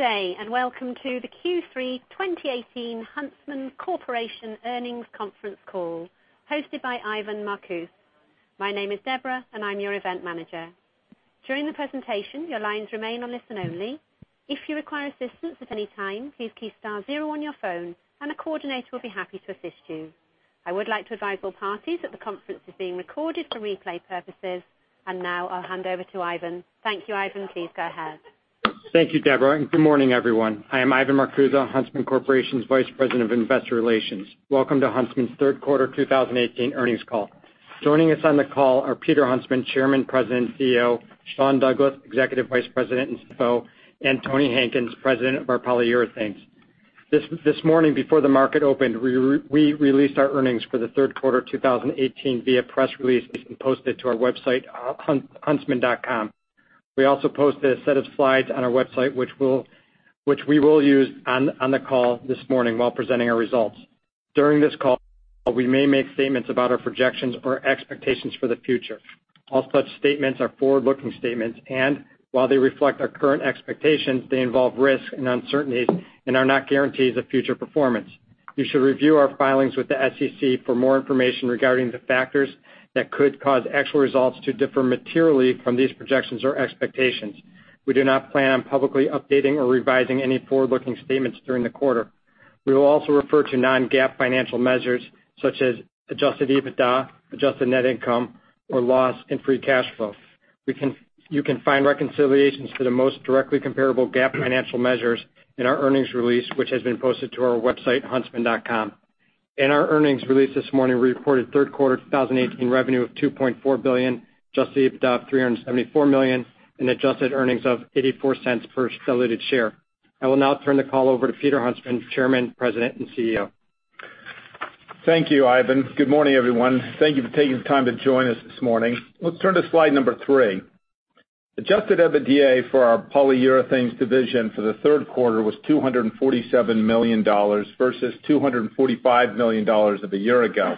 Good day, welcome to the Q3 2018 Huntsman Corporation earnings conference call, hosted by Ivan Marcuse. My name is Deborah, and I'm your event manager. During the presentation, your lines remain on listen only. If you require assistance at any time, please key star zero on your phone and a coordinator will be happy to assist you. I would like to advise all parties that the conference is being recorded for replay purposes. Now, I'll hand over to Ivan. Thank you, Ivan. Please go ahead. Thank you, Deborah, good morning, everyone. I am Ivan Marcuse, Huntsman Corporation's Vice President of Investor Relations. Welcome to Huntsman's third quarter 2018 earnings call. Joining us on the call are Peter Huntsman, Chairman, President, and CEO, Sean Douglas, Executive Vice President and CFO, and Tony Hankins, President of our Polyurethanes. This morning before the market opened, we released our earnings for the third quarter of 2018 via press release and posted to our website, huntsman.com. We also posted a set of slides on our website, which we will use on the call this morning while presenting our results. During this call, we may make statements about our projections or expectations for the future. All such statements are forward-looking statements, while they reflect our current expectations, they involve risk and uncertainty and are not guarantees of future performance. You should review our filings with the SEC for more information regarding the factors that could cause actual results to differ materially from these projections or expectations. We do not plan on publicly updating or revising any forward-looking statements during the quarter. We will also refer to non-GAAP financial measures such as adjusted EBITDA, adjusted net income or loss in free cash flow. You can find reconciliations to the most directly comparable GAAP financial measures in our earnings release, which has been posted to our website, huntsman.com. In our earnings release this morning, we reported third quarter 2018 revenue of $2.4 billion, adjusted EBITDA of $374 million and adjusted earnings of $0.84 per diluted share. I will now turn the call over to Peter Huntsman, Chairman, President, and CEO. Thank you, Ivan. Good morning, everyone. Thank you for taking the time to join us this morning. Let's turn to slide number three. Adjusted EBITDA for our Polyurethanes division for the third quarter was $247 million versus $245 million of a year ago.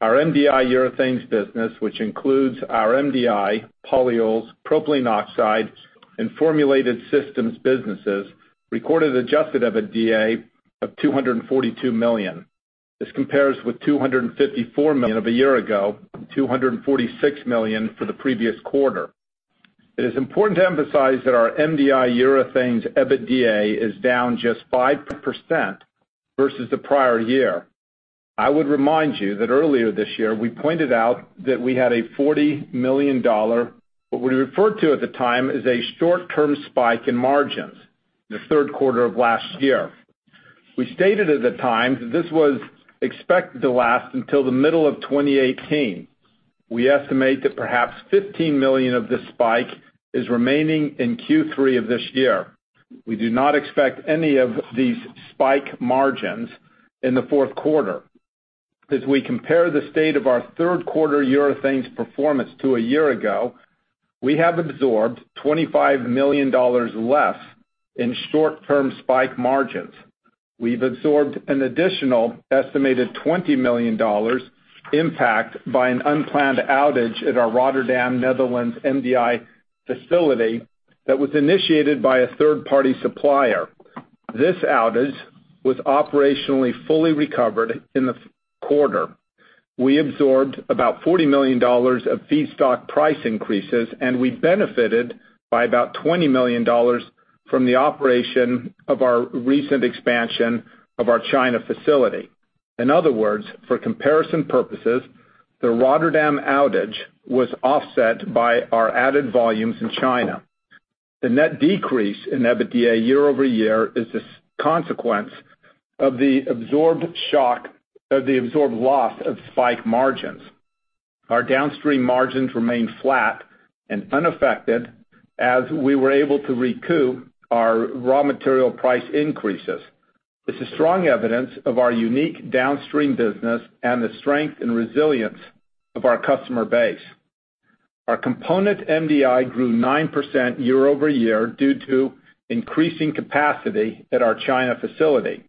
Our MDI urethanes business, which includes our MDI polyols, propylene oxide, and formulated systems businesses, recorded adjusted EBITDA of $242 million. This compares with $254 million of a year ago, $246 million for the previous quarter. It is important to emphasize that our MDI urethanes EBITDA is down just 5% versus the prior year. I would remind you that earlier this year we pointed out that we had a $40 million, what we referred to at the time as a short-term spike in margins in the third quarter of last year. We stated at the time that this was expected to last until the middle of 2018. We estimate that perhaps $15 million of this spike is remaining in Q3 of this year. We do not expect any of these spike margins in the fourth quarter. As we compare the state of our third quarter urethanes performance to a year ago, we have absorbed $25 million less in short-term spike margins. We've absorbed an additional estimated $20 million impact by an unplanned outage at our Rotterdam, Netherlands MDI facility that was initiated by a third-party supplier. This outage was operationally fully recovered in the quarter. We absorbed about $40 million of feedstock price increases, and we benefited by about $20 million from the operation of our recent expansion of our China facility. In other words, for comparison purposes, the Rotterdam outage was offset by our added volumes in China. The net decrease in EBITDA year-over-year is a consequence of the absorbed loss of spike margins. Our downstream margins remained flat and unaffected as we were able to recoup our raw material price increases. This is strong evidence of our unique downstream business and the strength and resilience of our customer base. Our component MDI grew 9% year-over-year due to increasing capacity at our China facility.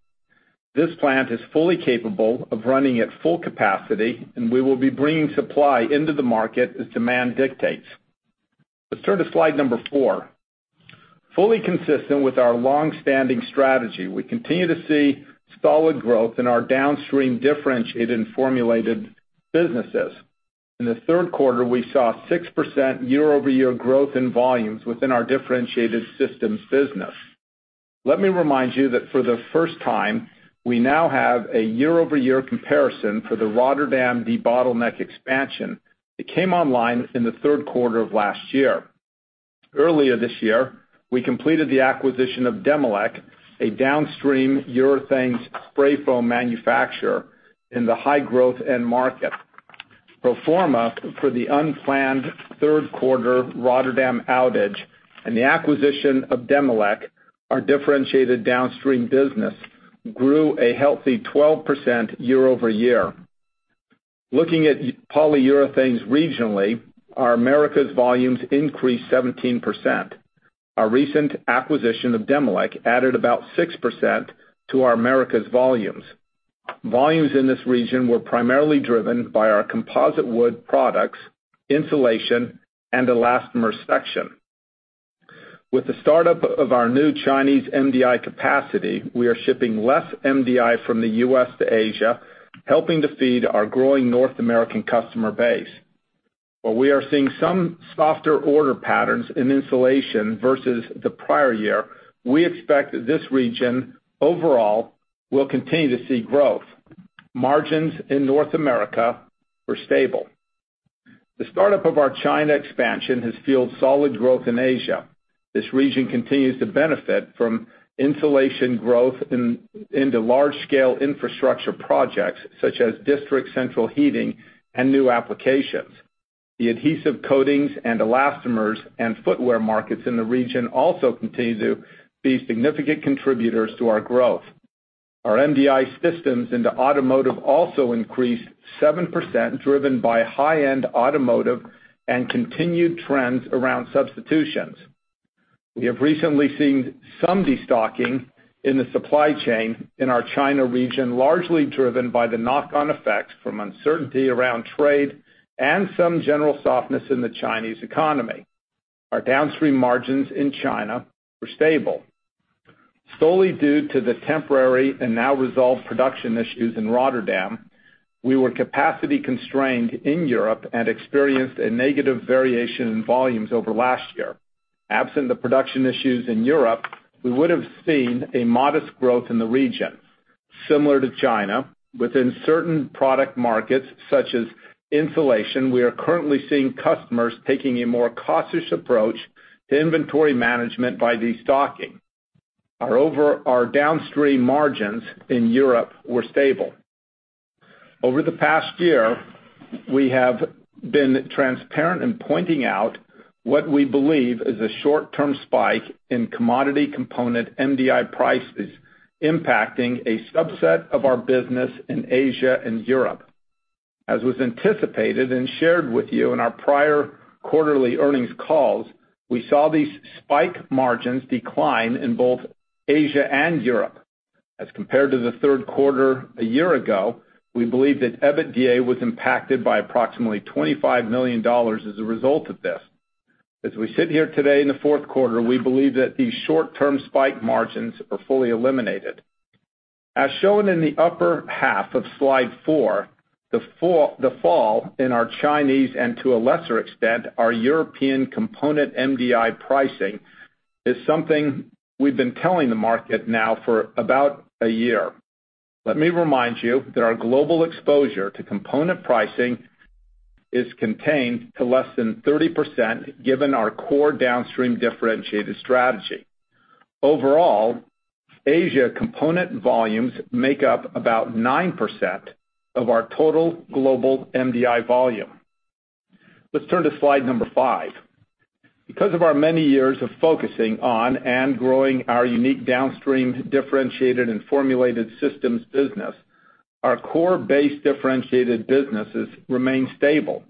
This plant is fully capable of running at full capacity, and we will be bringing supply into the market as demand dictates. Let's turn to slide number four. Fully consistent with our longstanding strategy, we continue to see solid growth in our downstream differentiated and formulated businesses. In the third quarter, we saw 6% year-over-year growth in volumes within our differentiated systems business. Let me remind you that for the first time, we now have a year-over-year comparison for the Rotterdam debottleneck expansion that came online in the third quarter of last year. Earlier this year, we completed the acquisition of Demilec, a downstream urethanes spray foam manufacturer in the high-growth end market. Pro forma for the unplanned third quarter Rotterdam outage and the acquisition of Demilec, our differentiated downstream business grew a healthy 12% year-over-year. Looking at Polyurethanes regionally, our Americas volumes increased 17%. Our recent acquisition of Demilec added about 6% to our Americas volumes. Volumes in this region were primarily driven by our composite wood products, insulation, and elastomer section. With the startup of our new Chinese MDI capacity, we are shipping less MDI from the U.S. to Asia, helping to feed our growing North American customer base. While we are seeing some softer order patterns in insulation versus the prior year, we expect that this region overall will continue to see growth. Margins in North America were stable. The startup of our China expansion has fueled solid growth in Asia. This region continues to benefit from insulation growth into large-scale infrastructure projects, such as district central heating and new applications. The Adhesives, Coatings, and Elastomers and footwear markets in the region also continue to be significant contributors to our growth. Our MDI systems into automotive also increased 7%, driven by high-end automotive and continued trends around substitutions. We have recently seen some destocking in the supply chain in our China region, largely driven by the knock-on effects from uncertainty around trade and some general softness in the Chinese economy. Our downstream margins in China were stable. Solely due to the temporary and now resolved production issues in Rotterdam, we were capacity constrained in Europe and experienced a negative variation in volumes over last year. Absent the production issues in Europe, we would have seen a modest growth in the region. Similar to China, within certain product markets such as insulation, we are currently seeing customers taking a more cautious approach to inventory management by destocking. Our downstream margins in Europe were stable. Over the past year, we have been transparent in pointing out what we believe is a short-term spike in commodity component MDI prices impacting a subset of our business in Asia and Europe. As was anticipated and shared with you in our prior quarterly earnings calls, we saw these spike margins decline in both Asia and Europe. As compared to the third quarter a year ago, we believe that EBITDA was impacted by approximately $25 million as a result of this. As we sit here today in the fourth quarter, we believe that these short-term spike margins are fully eliminated. As shown in the upper half of Slide 4, the fall in our Chinese, and to a lesser extent, our European component MDI pricing, is something we've been telling the market now for about a year. Let me remind you that our global exposure to component pricing is contained to less than 30%, given our core downstream differentiated strategy. Overall, Asia component volumes make up about 9% of our total global MDI volume. Let's turn to slide number five. Because of our many years of focusing on and growing our unique downstream differentiated and formulated systems business, our core base differentiated businesses remain stable.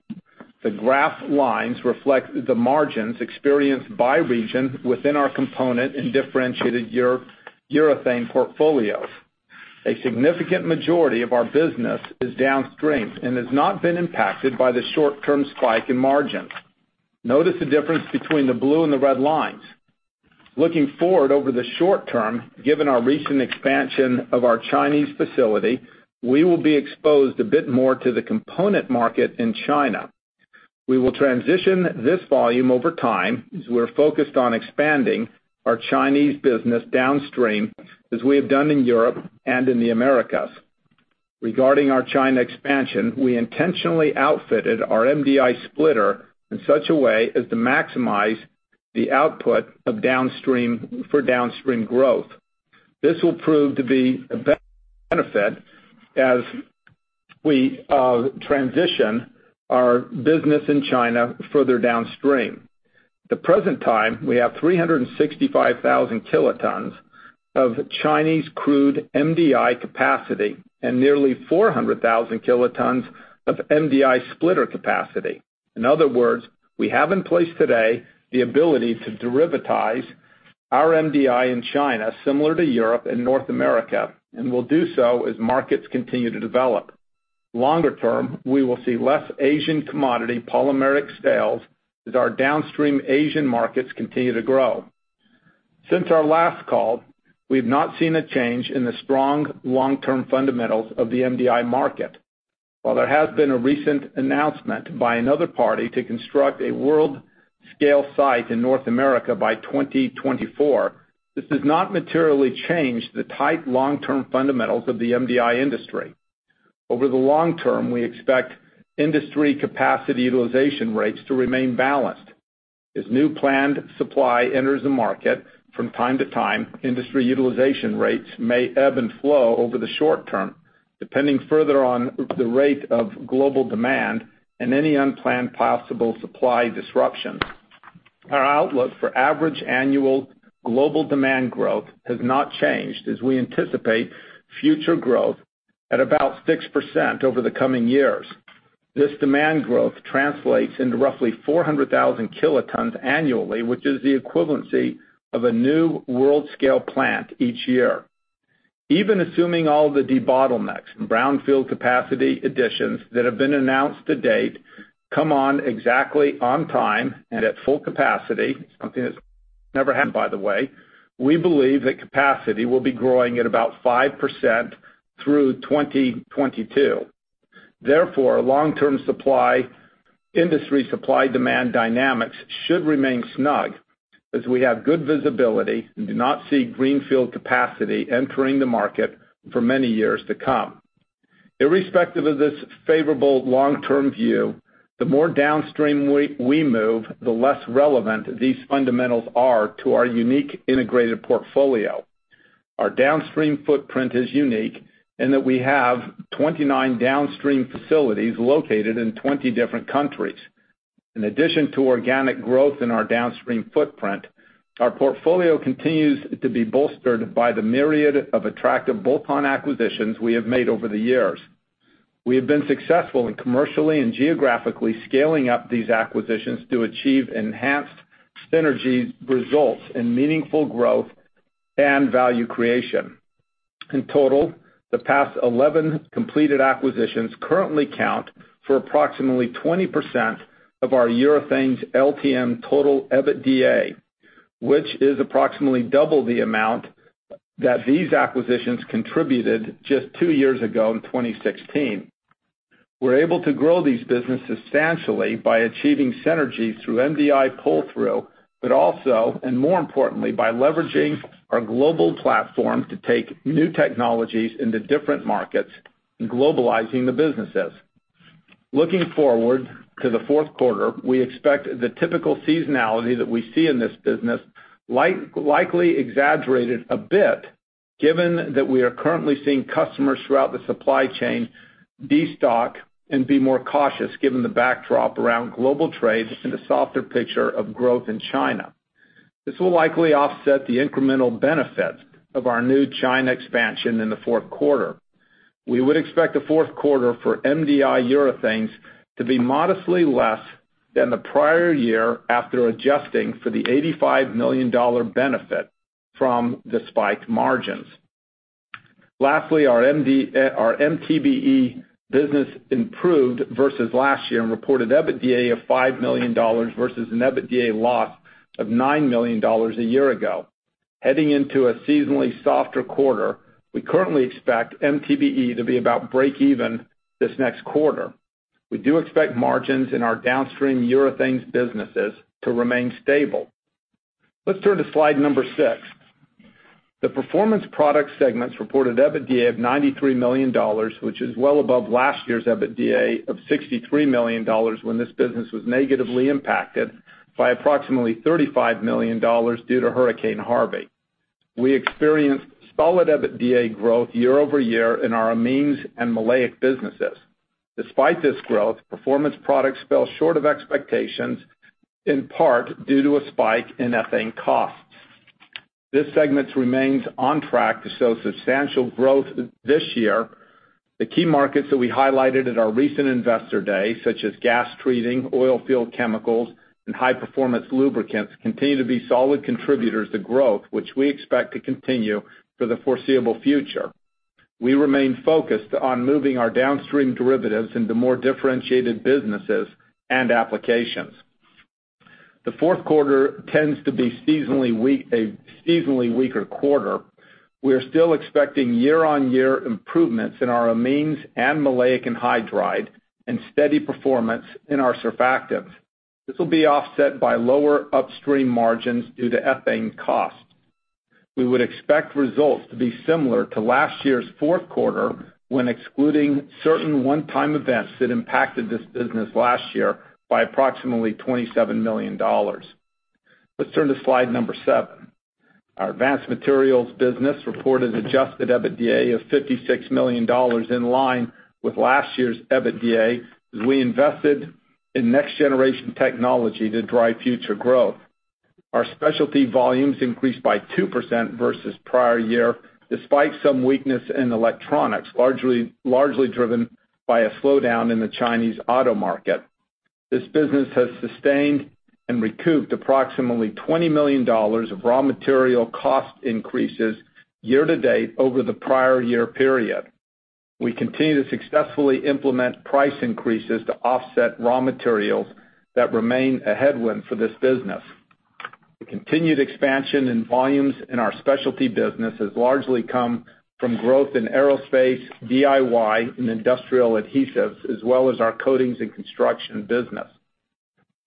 The graph lines reflect the margins experienced by region within our component and differentiated urethane portfolios. A significant majority of our business is downstream and has not been impacted by the short-term spike in margins. Notice the difference between the blue and the red lines. Looking forward over the short term, given our recent expansion of our Chinese facility, we will be exposed a bit more to the component market in China. We will transition this volume over time, as we're focused on expanding our Chinese business downstream, as we have done in Europe and in the Americas. Regarding our China expansion, we intentionally outfitted our MDI splitter in such a way as to maximize the output for downstream growth. This will prove to be a benefit as we transition our business in China further downstream. At the present time, we have 365,000 kilotons of Chinese crude MDI capacity and nearly 400,000 kilotons of MDI splitter capacity. In other words, we have in place today the ability to derivatize our MDI in China, similar to Europe and North America, and will do so as markets continue to develop. Longer term, we will see less Asian commodity polymeric sales as our downstream Asian markets continue to grow. Since our last call, we've not seen a change in the strong long-term fundamentals of the MDI market. While there has been a recent announcement by another party to construct a world scale site in North America by 2024, this does not materially change the tight long-term fundamentals of the MDI industry. Over the long term, we expect industry capacity utilization rates to remain balanced. As new planned supply enters the market from time to time, industry utilization rates may ebb and flow over the short term, depending further on the rate of global demand and any unplanned possible supply disruptions. Our outlook for average annual global demand growth has not changed, as we anticipate future growth at about 6% over the coming years. This demand growth translates into roughly 400,000 kilotons annually, which is the equivalency of a new world-scale plant each year. Even assuming all the debottlenecks and brownfield capacity additions that have been announced to date come on exactly on time and at full capacity, something that's never happened by the way, we believe that capacity will be growing at about 5% through 2022. Long-term industry supply-demand dynamics should remain snug as we have good visibility and do not see greenfield capacity entering the market for many years to come. Irrespective of this favorable long-term view, the more downstream we move, the less relevant these fundamentals are to our unique integrated portfolio. Our downstream footprint is unique in that we have 29 downstream facilities located in 20 different countries. In addition to organic growth in our downstream footprint, our portfolio continues to be bolstered by the myriad of attractive bolt-on acquisitions we have made over the years. We have been successful in commercially and geographically scaling up these acquisitions to achieve enhanced synergy results in meaningful growth and value creation. In total, the past 11 completed acquisitions currently count for approximately 20% of our urethanes LTM total EBITDA, which is approximately double the amount that these acquisitions contributed just two years ago in 2016. Also, and more importantly, by leveraging our global platform to take new technologies into different markets and globalizing the businesses. Looking forward to the fourth quarter, we expect the typical seasonality that we see in this business, likely exaggerated a bit, given that we are currently seeing customers throughout the supply chain destock and be more cautious given the backdrop around global trade and a softer picture of growth in China. This will likely offset the incremental benefits of our new China expansion in the fourth quarter. We would expect the fourth quarter for MDI urethanes to be modestly less than the prior year after adjusting for the $85 million benefit from the spiked margins. Our MTBE business improved versus last year and reported EBITDA of $5 million versus an EBITDA loss of $9 million a year ago. Heading into a seasonally softer quarter, we currently expect MTBE to be about break even this next quarter. We do expect margins in our downstream urethanes businesses to remain stable. Let's turn to slide number six. The Performance Products segments reported EBITDA of $93 million, which is well above last year's EBITDA of $63 million when this business was negatively impacted by approximately $35 million due to Hurricane Harvey. We experienced solid EBITDA growth year-over-year in our amines and maleic businesses. Despite this growth, Performance Products fell short of expectations, in part due to a spike in ethane costs. This segment remains on track to show substantial growth this year. The key markets that we highlighted at our recent Investor Day, such as gas treating, oil field chemicals, and high-performance lubricants, continue to be solid contributors to growth, which we expect to continue for the foreseeable future. We remain focused on moving our downstream derivatives into more differentiated businesses and applications. The fourth quarter tends to be a seasonally weaker quarter. We are still expecting year-on-year improvements in our amines and maleic anhydride, and steady performance in our surfactants. This will be offset by lower upstream margins due to ethane costs. We would expect results to be similar to last year's fourth quarter when excluding certain one-time events that impacted this business last year by approximately $27 million. Let's turn to slide number seven. Our Advanced Materials business reported adjusted EBITDA of $56 million, in line with last year's EBITDA, as we invested in next-generation technology to drive future growth. Our specialty volumes increased by 2% versus the prior year, despite some weakness in electronics, largely driven by a slowdown in the Chinese auto market. This business has sustained and recouped approximately $20 million of raw material cost increases year to date over the prior year period. We continue to successfully implement price increases to offset raw materials that remain a headwind for this business. The continued expansion in volumes in our specialty business has largely come from growth in aerospace, DIY, and industrial adhesives, as well as our coatings and construction business.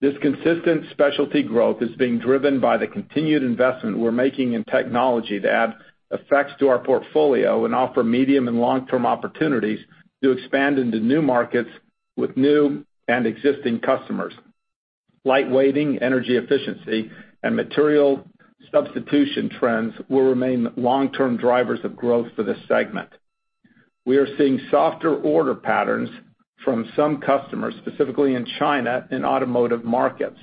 This consistent specialty growth is being driven by the continued investment we're making in technology to add effects to our portfolio and offer medium and long-term opportunities to expand into new markets with new and existing customers. Light weighting, energy efficiency, and material substitution trends will remain long-term drivers of growth for this segment. We are seeing softer order patterns from some customers, specifically in China, in automotive markets.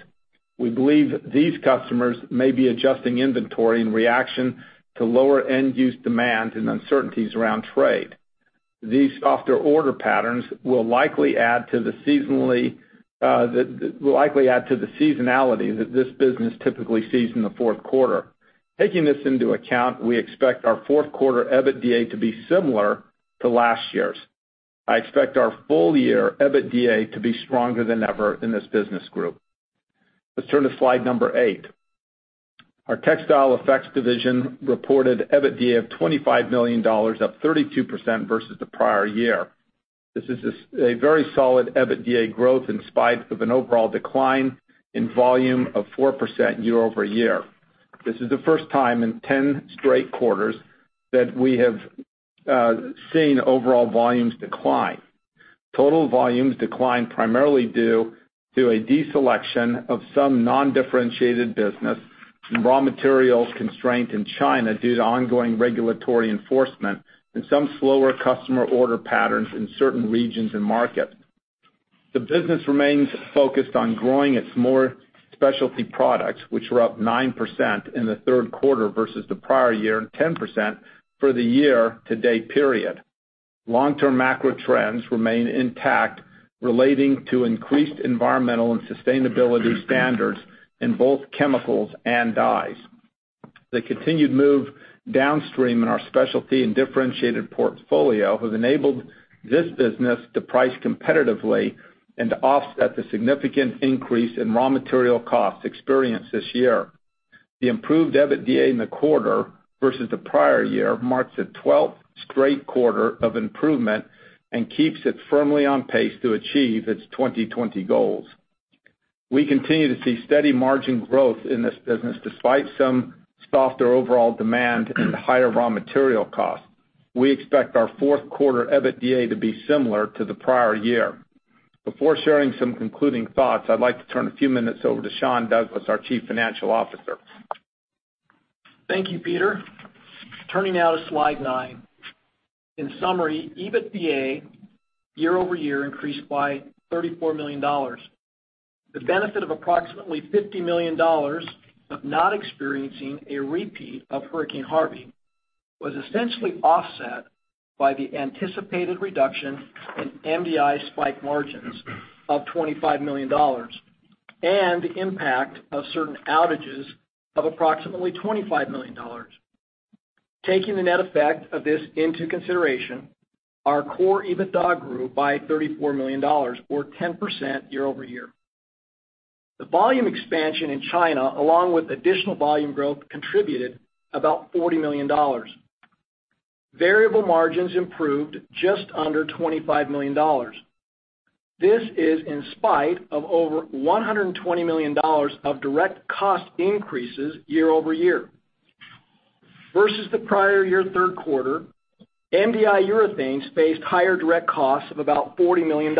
We believe these customers may be adjusting inventory in reaction to lower end-use demand and uncertainties around trade. These softer order patterns will likely add to the seasonality that this business typically sees in the fourth quarter. Taking this into account, we expect our fourth quarter EBITDA to be similar to last year's. I expect our full year EBITDA to be stronger than ever in this business group. Let's turn to slide number eight. Our Textile Effects division reported EBITDA of $25 million, up 32% versus the prior year. This is a very solid EBITDA growth in spite of an overall decline in volume of 4% year-over-year. This is the first time in 10 straight quarters that we have seen overall volumes decline. Total volumes declined primarily due to a deselection of some non-differentiated business and raw materials constraint in China due to ongoing regulatory enforcement and some slower customer order patterns in certain regions and markets. The business remains focused on growing its more specialty products, which were up 9% in the third quarter versus the prior year, and 10% for the year-to-date period. Long-term macro trends remain intact relating to increased environmental and sustainability standards in both chemicals and dyes. The continued move downstream in our specialty and differentiated portfolio has enabled this business to price competitively and to offset the significant increase in raw material costs experienced this year. The improved EBITDA in the quarter versus the prior year marks the 12th straight quarter of improvement and keeps it firmly on pace to achieve its 2020 goals. We continue to see steady margin growth in this business despite some softer overall demand and higher raw material costs. We expect our fourth quarter EBITDA to be similar to the prior year. Before sharing some concluding thoughts, I'd like to turn a few minutes over to Sean Douglas, our Chief Financial Officer. Thank you, Peter. Turning now to slide nine. In summary, EBITDA year-over-year increased by $34 million. The benefit of approximately $50 million of not experiencing a repeat of Hurricane Harvey was essentially offset by the anticipated reduction in MDI spike margins of $25 million, and the impact of certain outages of approximately $25 million. Taking the net effect of this into consideration, our core EBITDA grew by $34 million or 10% year-over-year. The volume expansion in China, along with additional volume growth contributed about $40 million. Variable margins improved just under $25 million. This is in spite of over $120 million of direct cost increases year-over-year. Versus the prior year third quarter, MDI urethanes faced higher direct costs of about $40 million,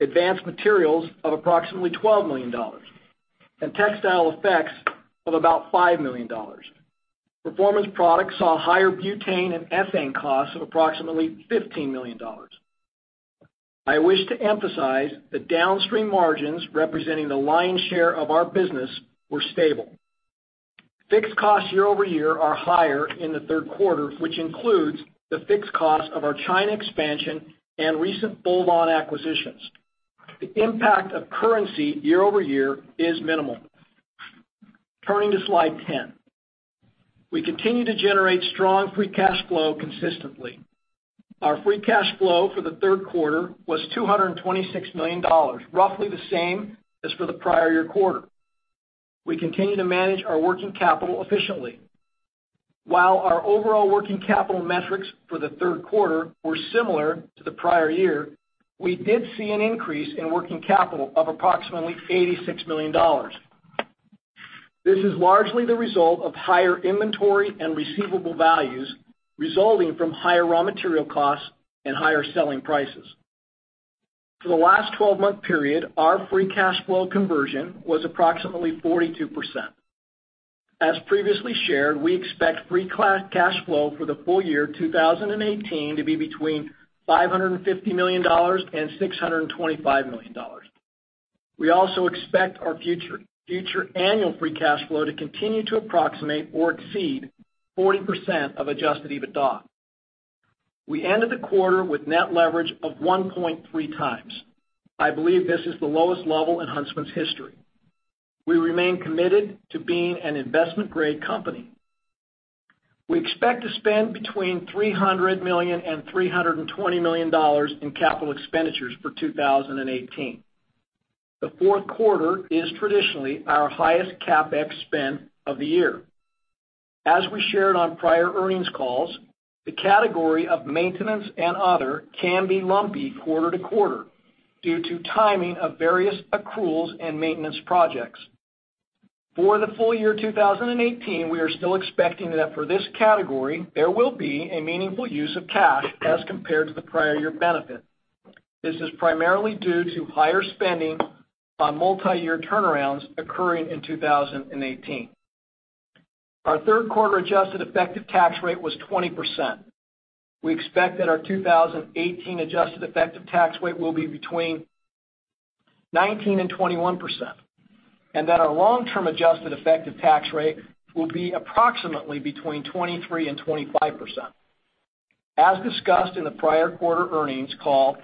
Advanced Materials of approximately $12 million, and Textile Effects of about $5 million. Performance Products saw higher butane and ethane costs of approximately $15 million. I wish to emphasize that downstream margins representing the lion's share of our business were stable. Fixed costs year-over-year are higher in the third quarter, which includes the fixed costs of our China expansion and recent bolt-on acquisitions. The impact of currency year-over-year is minimal. Turning to slide 10. We continue to generate strong free cash flow consistently. Our free cash flow for the third quarter was $226 million, roughly the same as for the prior year quarter. We continue to manage our working capital efficiently. While our overall working capital metrics for the third quarter were similar to the prior year, we did see an increase in working capital of approximately $86 million. This is largely the result of higher inventory and receivable values resulting from higher raw material costs and higher selling prices. For the last 12-month period, our free cash flow conversion was approximately 42%. As previously shared, we expect free cash flow for the full year 2018 to be between $550 million and $625 million. We also expect our future annual free cash flow to continue to approximate or exceed 40% of adjusted EBITDA. We ended the quarter with net leverage of 1.3 times. I believe this is the lowest level in Huntsman's history. We remain committed to being an investment-grade company. We expect to spend between $300 million and $320 million in capital expenditures for 2018. The fourth quarter is traditionally our highest CapEx spend of the year. As we shared on prior earnings calls, the category of maintenance and other can be lumpy quarter-to-quarter due to timing of various accruals and maintenance projects. For the full year 2018, we are still expecting that for this category, there will be a meaningful use of cash as compared to the prior year benefit. This is primarily due to higher spending on multi-year turnarounds occurring in 2018. Our third quarter adjusted effective tax rate was 20%. We expect that our 2018 adjusted effective tax rate will be between 19% and 21%, and that our long-term adjusted effective tax rate will be approximately between 23% and 25%. As discussed in the prior quarter earnings call,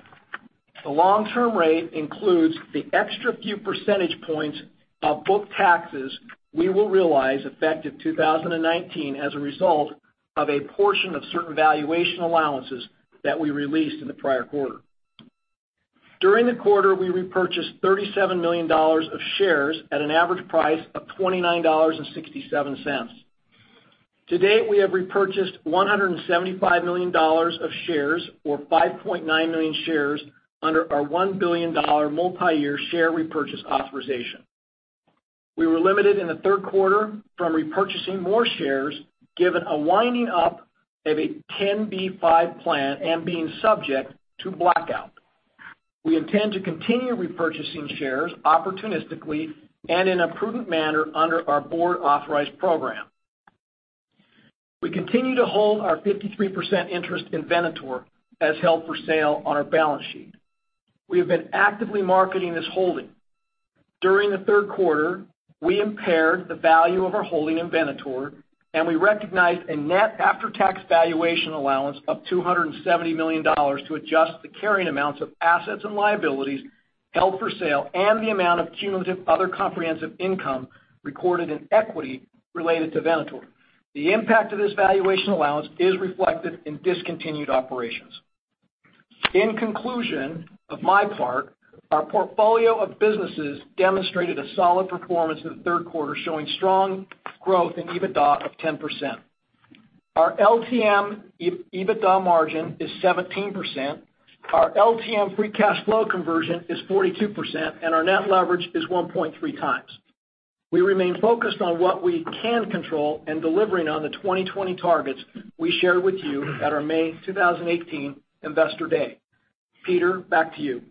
the long-term rate includes the extra few percentage points of book taxes we will realize effective 2019 as a result of a portion of certain valuation allowances that we released in the prior quarter. During the quarter, we repurchased $37 million of shares at an average price of $29.67. To date, we have repurchased $175 million of shares, or 5.9 million shares, under our $1 billion multi-year share repurchase authorization. We were limited in the third quarter from repurchasing more shares, given a winding up of a 10b5-1 plan and being subject to blackout. We intend to continue repurchasing shares opportunistically and in a prudent manner under our board-authorized program. We continue to hold our 53% interest in Venator as held for sale on our balance sheet. We have been actively marketing this holding. During the third quarter, we impaired the value of our holding in Venator, and we recognized a net after-tax valuation allowance of $270 million to adjust the carrying amounts of assets and liabilities held for sale and the amount of cumulative other comprehensive income recorded in equity related to Venator. The impact of this valuation allowance is reflected in discontinued operations. In conclusion of my part, our portfolio of businesses demonstrated a solid performance in the third quarter, showing strong growth in EBITDA of 10%. Our LTM EBITDA margin is 17%, our LTM free cash flow conversion is 42%, and our net leverage is 1.3 times. We remain focused on what we can control and delivering on the 2020 targets we shared with you at our May 2018 Investor Day. Peter, back to you.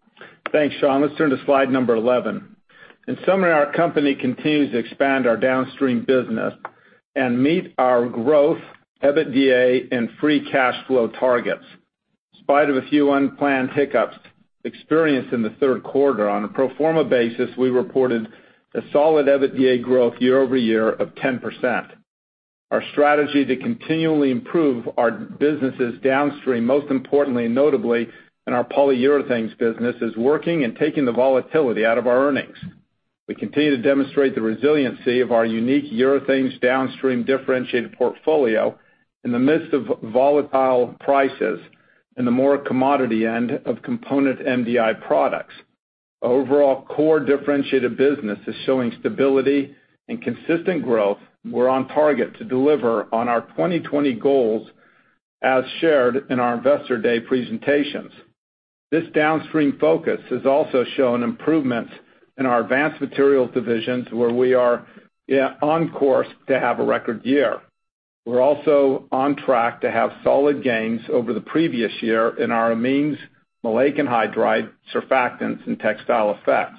Thanks, Sean. Let's turn to slide number 11. In summary, our company continues to expand our downstream business and meet our growth, EBITDA, and free cash flow targets. In spite of a few unplanned hiccups experienced in the third quarter, on a pro forma basis, we reported a solid EBITDA growth year-over-year of 10%. Our strategy to continually improve our businesses downstream, most importantly, notably in our Polyurethanes business, is working and taking the volatility out of our earnings. We continue to demonstrate the resiliency of our unique urethanes downstream differentiated portfolio in the midst of volatile prices in the more commodity end of component MDI products. Our overall core differentiated business is showing stability and consistent growth. We're on target to deliver on our 2020 goals as shared in our Investor Day presentations. This downstream focus has also shown improvements in our Advanced Materials divisions, where we are on course to have a record year. We are also on track to have solid gains over the previous year in our amines, maleic anhydride, surfactants, and Textile Effects.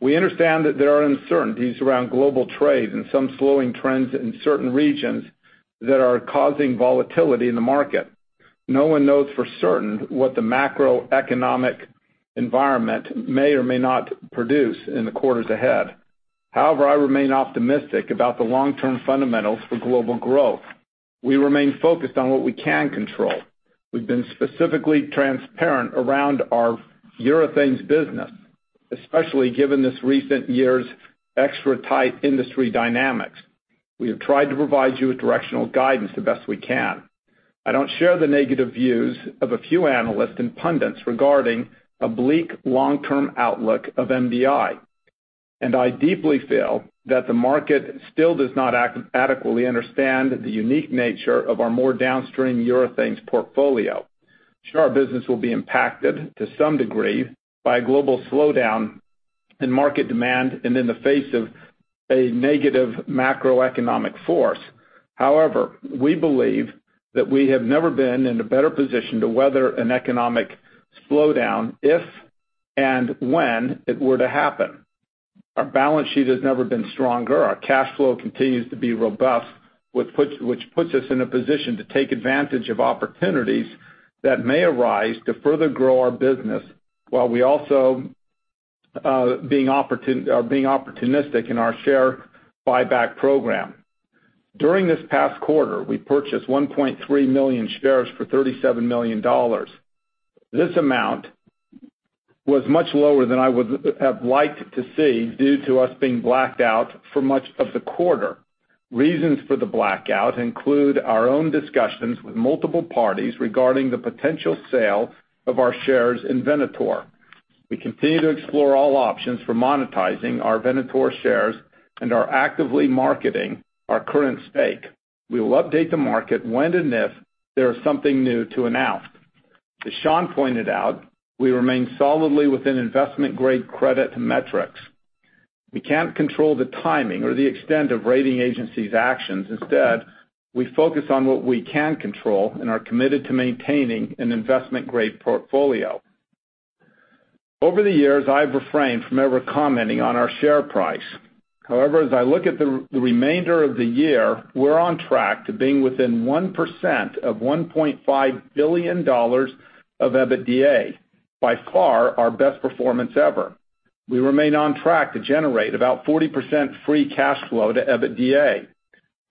We understand that there are uncertainties around global trade and some slowing trends in certain regions that are causing volatility in the market. No one knows for certain what the macroeconomic environment may or may not produce in the quarters ahead. However, I remain optimistic about the long-term fundamentals for global growth. We remain focused on what we can control. We have been specifically transparent around our Urethanes business, especially given this recent year's extra tight industry dynamics. We have tried to provide you with directional guidance the best we can. I don't share the negative views of a few analysts and pundits regarding a bleak long-term outlook of MDI. I deeply feel that the market still does not adequately understand the unique nature of our more downstream Urethanes portfolio. Sure, our business will be impacted to some degree by a global slowdown in market demand and in the face of a negative macroeconomic force. However, we believe that we have never been in a better position to weather an economic slowdown if and when it were to happen. Our balance sheet has never been stronger. Our cash flow continues to be robust, which puts us in a position to take advantage of opportunities that may arise to further grow our business, while we also are being opportunistic in our share buyback program. During this past quarter, we purchased 1.3 million shares for $37 million. This amount was much lower than I would have liked to see due to us being blacked out for much of the quarter. Reasons for the blackout include our own discussions with multiple parties regarding the potential sale of our shares in Venator. We continue to explore all options for monetizing our Venator shares and are actively marketing our current stake. We will update the market when and if there is something new to announce. As Sean pointed out, we remain solidly within investment-grade credit metrics. We can't control the timing or the extent of rating agencies' actions. Instead, we focus on what we can control and are committed to maintaining an investment-grade portfolio. Over the years, I've refrained from ever commenting on our share price. However, as I look at the remainder of the year, we are on track to being within 1% of $1.5 billion of EBITDA, by far our best performance ever. We remain on track to generate about 40% free cash flow to EBITDA.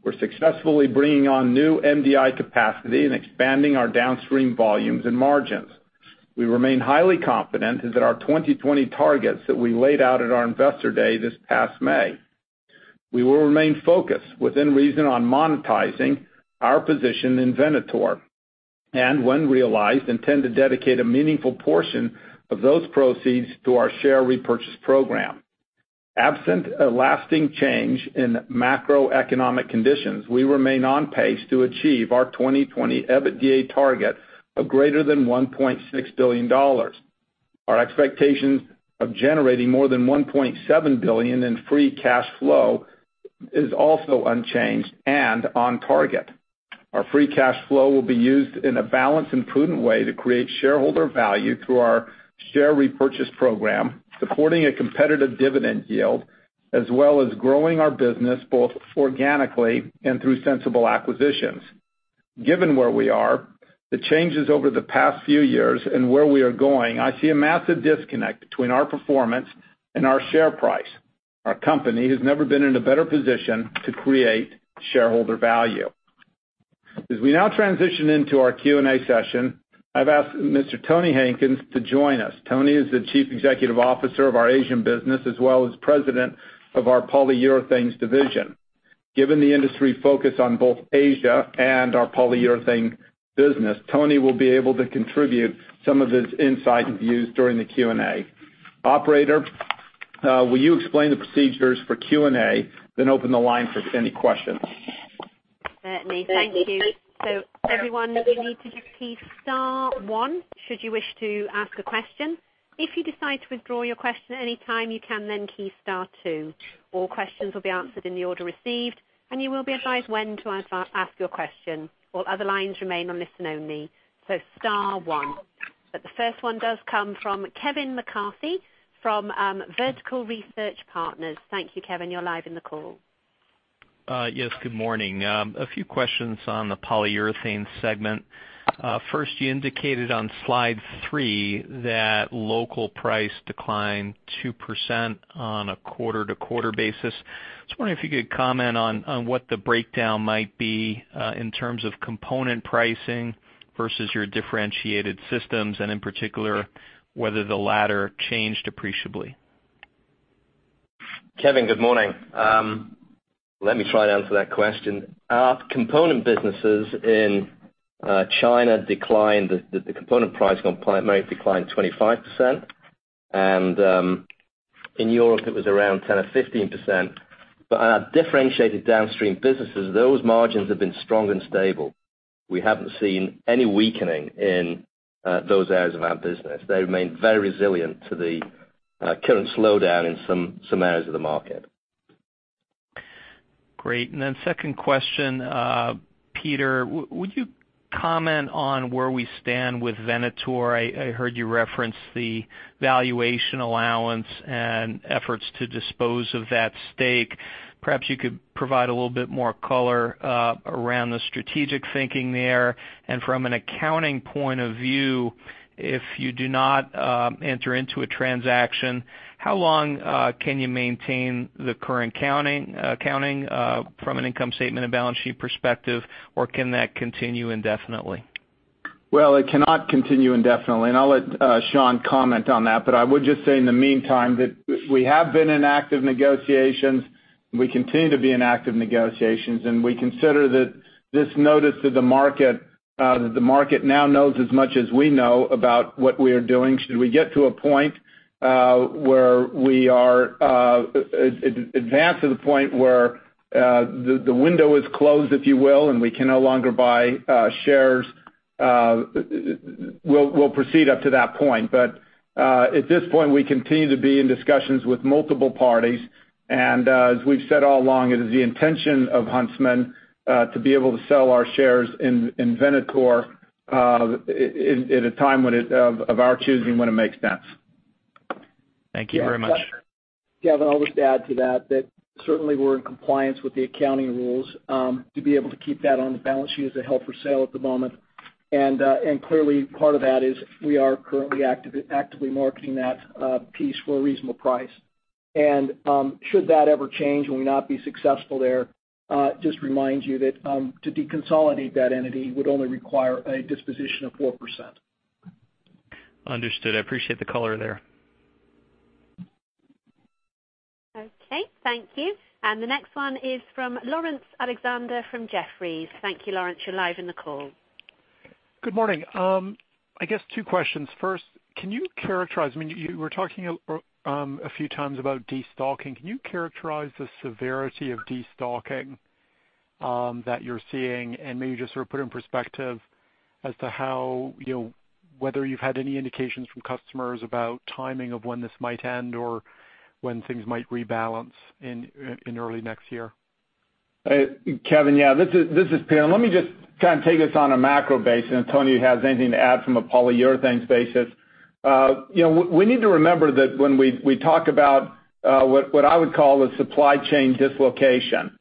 We are successfully bringing on new MDI capacity and expanding our downstream volumes and margins. We remain highly confident in our 2020 targets that we laid out at our investor day this past May. We will remain focused, within reason, on monetizing our position in Venator, and when realized, intend to dedicate a meaningful portion of those proceeds to our share repurchase program. Absent a lasting change in macroeconomic conditions, we remain on pace to achieve our 2020 EBITDA target of greater than $1.6 billion. Our expectations of generating more than $1.7 billion in free cash flow is also unchanged and on target. Our free cash flow will be used in a balanced and prudent way to create shareholder value through our share repurchase program, supporting a competitive dividend yield, as well as growing our business both organically and through sensible acquisitions. Given where we are, the changes over the past few years, and where we are going, I see a massive disconnect between our performance and our share price. Our company has never been in a better position to create shareholder value. As we now transition into our Q&A session, I've asked Mr. Tony Hankins to join us. Tony is the Chief Executive Officer of our Asian business, as well as President of our Polyurethanes division. Given the industry focus on both Asia and our Polyurethanes business, Tony will be able to contribute some of his insights and views during the Q&A. Operator, will you explain the procedures for Q&A, then open the line for any questions? Certainly. Thank you. Everyone, you need to just key star one should you wish to ask a question. If you decide to withdraw your question at any time, you can then key star two. All questions will be answered in the order received, and you will be advised when to ask your question. All other lines remain on listen only. Star one. The first one does come from Kevin McCarthy from Vertical Research Partners. Thank you, Kevin. You're live in the call. Yes, good morning. A few questions on the Polyurethanes segment. First, you indicated on slide three that local price declined 2% on a quarter-to-quarter basis. I was wondering if you could comment on what the breakdown might be in terms of component pricing versus your differentiated systems, and in particular, whether the latter changed appreciably. Kevin, good morning. Let me try to answer that question. Our component businesses in China declined, the component price may have declined 25%. In Europe, it was around 10% or 15%. On our differentiated downstream businesses, those margins have been strong and stable. We haven't seen any weakening in those areas of our business. They remain very resilient to the current slowdown in some areas of the market. Great. Second question, Peter, would you comment on where we stand with Venator? I heard you reference the valuation allowance and efforts to dispose of that stake. Perhaps you could provide a little bit more color around the strategic thinking there. From an accounting point of view, if you do not enter into a transaction, how long can you maintain the current accounting from an income statement and balance sheet perspective? Can that continue indefinitely? Well, it cannot continue indefinitely, and I'll let Sean comment on that. I would just say in the meantime that we have been in active negotiations, we continue to be in active negotiations, and we consider that this notice to the market, that the market now knows as much as we know about what we are doing. Should we get to a point where we advance to the point where the window is closed, if you will, and we can no longer buy shares, we'll proceed up to that point. At this point, we continue to be in discussions with multiple parties. As we've said all along, it is the intention of Huntsman to be able to sell our shares in Venator at a time of our choosing when it makes sense. Thank you very much. Kevin, I'll just add to that certainly we're in compliance with the accounting rules to be able to keep that on the balance sheet as a held for sale at the moment. Clearly part of that is we are currently actively marketing that piece for a reasonable price. Should that ever change and we not be successful there, just remind you that to deconsolidate that entity would only require a disposition of 4%. Understood. I appreciate the color there. Okay, thank you. The next one is from Laurence Alexander from Jefferies. Thank you, Laurence. You're live in the call. Good morning. I guess two questions. First, can you characterize, you were talking a few times about destocking. Can you characterize the severity of destocking that you're seeing and maybe just sort of put it in perspective as to whether you've had any indications from customers about timing of when this might end or when things might rebalance in early next year? Kevin, yeah. This is Peter, let me just kind of take this on a macro basis, and Tony, if you have anything to add from a Polyurethanes basis. We need to remember that when we talk about what I would call a supply chain dislocation,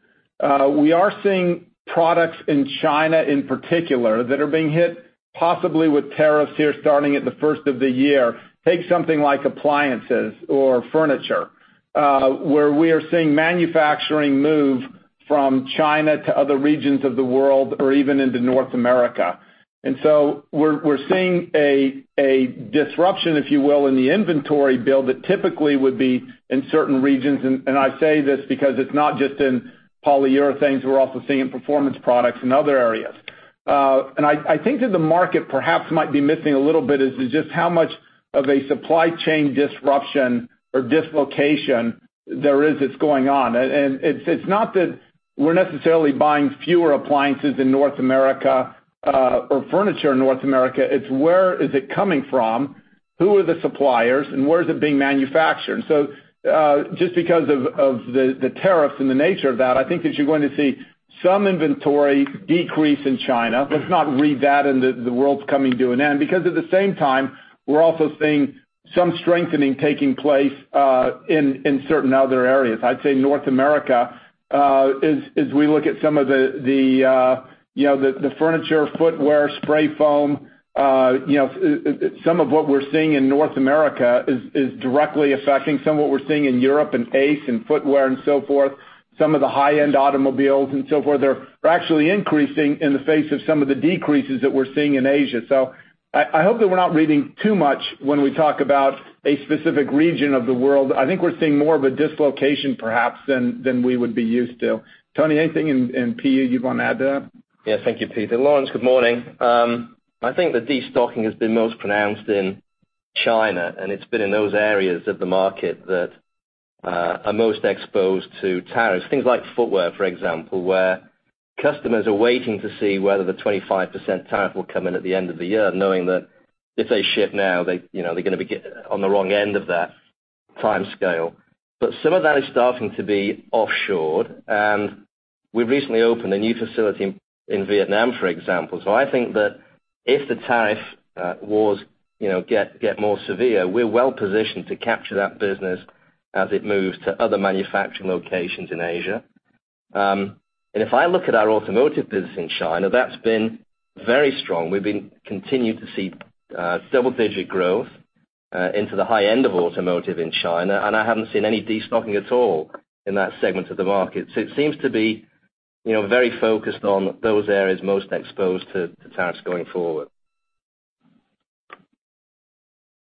we are seeing products in China in particular, that are being hit possibly with tariffs here starting at the first of the year. Take something like appliances or furniture, where we are seeing manufacturing move from China to other regions of the world or even into North America. We're seeing a disruption, if you will, in the inventory build that typically would be in certain regions. I say this because it's not just in Polyurethanes, we're also seeing it in Performance Products and other areas. I think that the market perhaps might be missing a little bit, is just how much of a supply chain disruption or dislocation there is that's going on. It's not that we're necessarily buying fewer appliances in North America, or furniture in North America, it's where is it coming from? Who are the suppliers, and where is it being manufactured? Just because of the tariffs and the nature of that, I think that you're going to see some inventory decrease in China. Let's not read that into the world's coming to an end, because at the same time, we're also seeing some strengthening taking place in certain other areas. I'd say North America, as we look at some of the furniture, footwear, spray foam, some of what we're seeing in North America is directly affecting some of what we're seeing in Europe in ACE and footwear and so forth. Some of the high-end automobiles and so forth are actually increasing in the face of some of the decreases that we're seeing in Asia. I hope that we're not reading too much when we talk about a specific region of the world. I think we're seeing more of a dislocation, perhaps, than we would be used to. Tony, anything in PU you want to add to that? Yeah. Thank you, Peter. Laurence, good morning. I think the de-stocking has been most pronounced in China, and it's been in those areas of the market that are most exposed to tariffs. Things like footwear, for example, where customers are waiting to see whether the 25% tariff will come in at the end of the year, knowing that if they ship now, they're going to be on the wrong end of that timescale. Some of that is starting to be offshored, and we've recently opened a new facility in Vietnam, for example. I think that if the tariff wars get more severe, we're well-positioned to capture that business as it moves to other manufacturing locations in Asia. If I look at our automotive business in China, that's been very strong. We've been continued to see double-digit growth into the high end of automotive in China, and I haven't seen any de-stocking at all in that segment of the market. It seems to be very focused on those areas most exposed to tariffs going forward.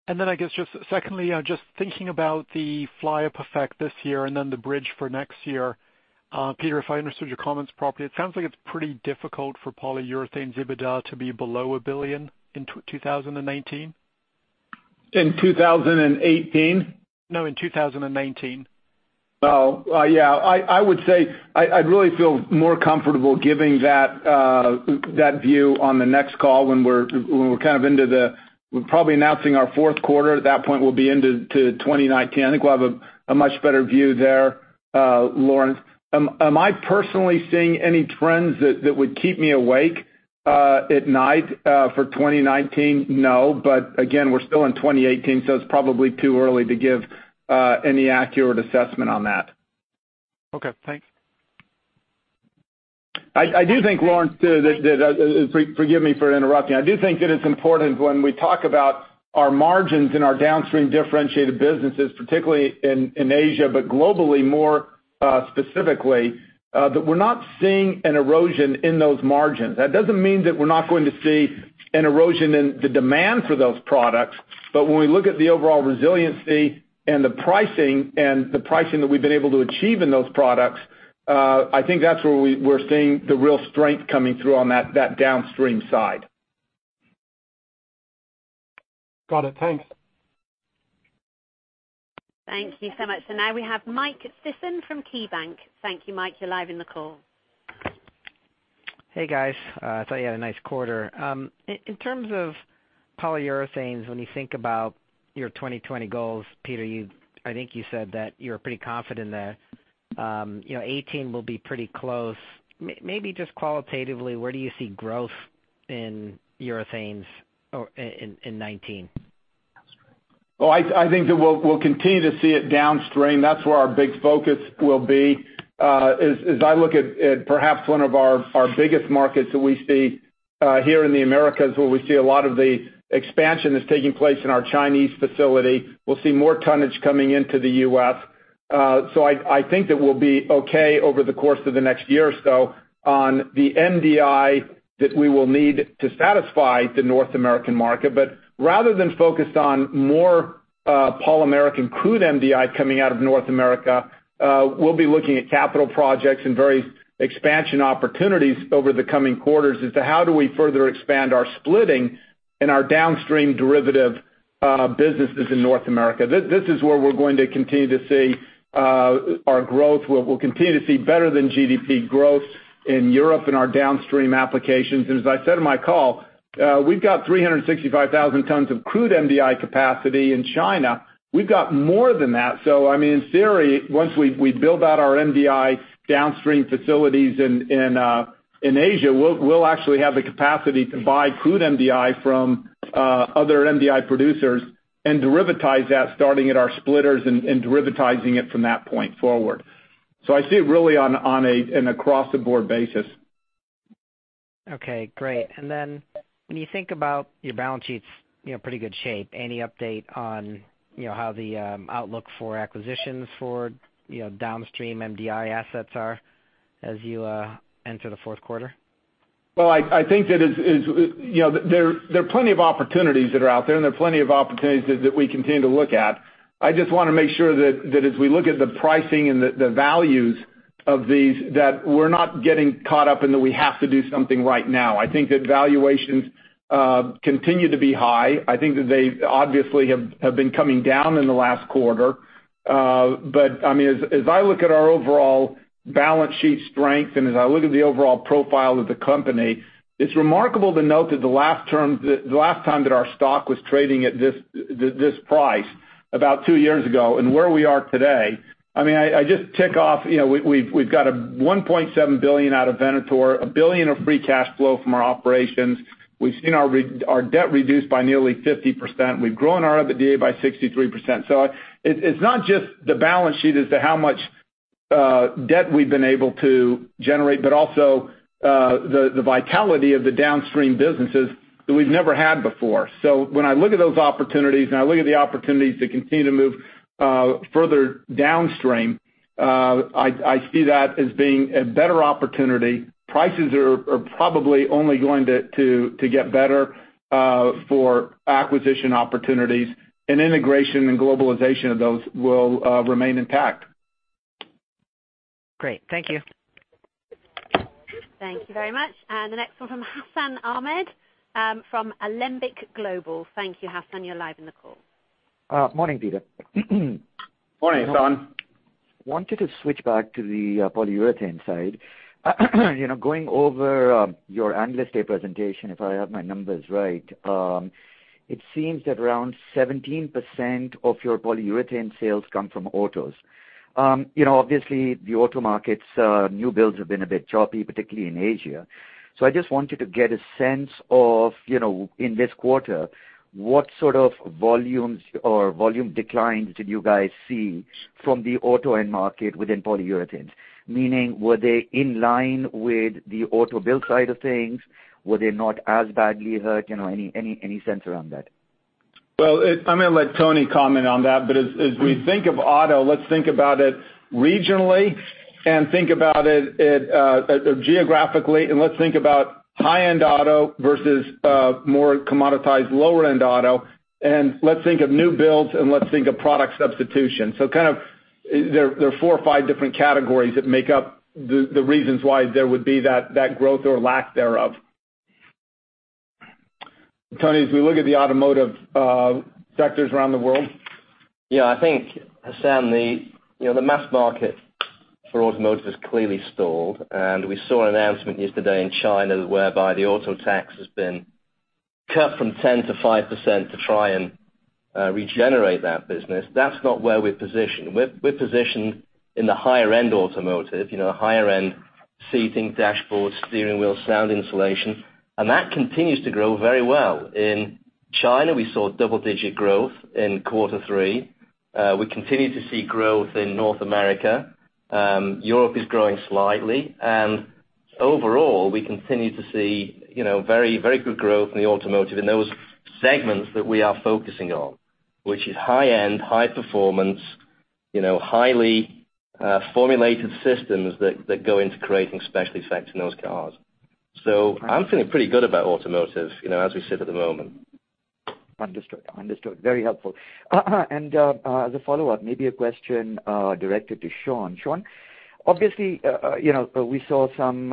I guess just secondly, just thinking about the fly-up effect this year, and then the bridge for next year. Peter, if I understood your comments properly, it sounds like it's pretty difficult for Polyurethanes EBITDA to be below $1 billion in 2019. In 2018? No, in 2019. Oh, yeah. I would say I'd really feel more comfortable giving that view on the next call when we're probably announcing our fourth quarter. At that point, we'll be into 2019. I think we'll have a much better view there, Laurence. Am I personally seeing any trends that would keep me awake at night for 2019? No. Again, we're still in 2018, so it's probably too early to give any accurate assessment on that. Okay, thanks. I do think, Laurence, forgive me for interrupting. I do think that it's important when we talk about our margins and our downstream differentiated businesses, particularly in Asia, but globally more specifically, that we're not seeing an erosion in those margins. That doesn't mean that we're not going to see an erosion in the demand for those products, but when we look at the overall resiliency and the pricing, and the pricing that we've been able to achieve in those products, I think that's where we're seeing the real strength coming through on that downstream side. Got it. Thanks. Thank you so much. Now we have Mike Sison from KeyBanc. Thank you, Mike, you're live in the call. Hey, guys. I thought you had a nice quarter. In terms of Polyurethanes, when you think about your 2020 goals, Peter, I think you said that you're pretty confident that 2018 will be pretty close. Maybe just qualitatively, where do you see growth in Polyurethanes in 2019? I think that we'll continue to see it downstream. That's where our big focus will be. As I look at perhaps one of our biggest markets that we see here in the Americas, where we see a lot of the expansion that's taking place in our Chinese facility, we'll see more tonnage coming into the U.S. I think that we'll be okay over the course of the next year or so on the MDI that we will need to satisfy the North American market. Rather than focus on more polymeric crude MDI coming out of North America, we'll be looking at capital projects and various expansion opportunities over the coming quarters as to how do we further expand our splitting and our downstream derivative businesses in North America. This is where we're going to continue to see our growth, where we'll continue to see better than GDP growth in Europe and our downstream applications. As I said in my call, we've got 365,000 tons of crude MDI capacity in China. We've got more than that. In theory, once we build out our MDI downstream facilities in Asia, we'll actually have the capacity to buy crude MDI from other MDI producers and derivatize that, starting at our splitters and derivatizing it from that point forward. I see it really on an across-the-board basis. Okay, great. Then when you think about your balance sheets, pretty good shape, any update on how the outlook for acquisitions for downstream MDI assets are as you enter the fourth quarter? Well, I think that there are plenty of opportunities that are out there, and there are plenty of opportunities that we continue to look at. I just want to make sure that as we look at the pricing and the values of these, that we're not getting caught up in the we have to do something right now. I think that valuations continue to be high. I think that they obviously have been coming down in the last quarter. As I look at our overall balance sheet strength, and as I look at the overall profile of the company, it's remarkable to note that the last time that our stock was trading at this price, about two years ago, and where we are today. I just tick off, we've got a $1.7 billion out of Venator, a $1 billion of free cash flow from our operations. We've seen our debt reduced by nearly 50%. We've grown our EBITDA by 63%. It's not just the balance sheet as to how much debt we've been able to generate, but also the vitality of the downstream businesses that we've never had before. When I look at those opportunities, and I look at the opportunities to continue to move further downstream, I see that as being a better opportunity. Prices are probably only going to get better for acquisition opportunities, and integration and globalization of those will remain intact. Great. Thank you. Thank you very much. The next one from Hassan Ahmed from Alembic Global. Thank you, Hassan, you're live in the call. Morning, Peter. Morning, Hassan. I wanted to switch back to the Polyurethanes side. Going over your Analyst Day presentation, if I have my numbers right, it seems that around 17% of your Polyurethanes sales come from autos. Obviously, the auto markets' new builds have been a bit choppy, particularly in Asia. I just wanted to get a sense of, in this quarter, what sort of volumes or volume declines did you guys see from the auto end market within Polyurethanes? Meaning, were they in line with the auto build side of things? Were they not as badly hurt? Any sense around that? I'm going to let Tony comment on that. As we think of auto, let's think about it regionally and think about it geographically, and let's think about high-end auto versus more commoditized lower-end auto. Let's think of new builds, and let's think of product substitution. There are four or five different categories that make up the reasons why there would be that growth or lack thereof. Tony, as we look at the automotive sectors around the world. I think, Hassan, the mass market for automotive has clearly stalled. We saw an announcement yesterday in China whereby the auto tax has been cut from 10% to 5% to try and regenerate that business. That's not where we're positioned. We're positioned in the higher-end automotive, higher-end seating, dashboards, steering wheels, sound insulation. That continues to grow very well. In China, we saw double-digit growth in quarter three. We continue to see growth in North America. Europe is growing slightly. Overall, we continue to see very good growth in the automotive in those segments that we are focusing on, which is high-end, high performance, highly formulated systems that go into creating specialty effects in those cars. I'm feeling pretty good about automotive as we sit at the moment. Understood. Very helpful. As a follow-up, maybe a question directed to Sean. Sean, obviously, we saw some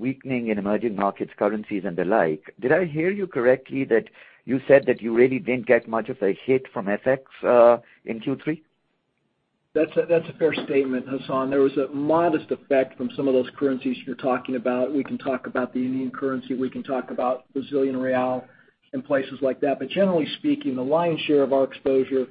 weakening in emerging markets, currencies, and the like. Did I hear you correctly that you said that you really didn't get much of a hit from FX in Q3? That's a fair statement, Hassan. There was a modest effect from some of those currencies you're talking about. We can talk about the Indian currency, we can talk about Brazilian real, and places like that. Generally speaking, the lion's share of our exposure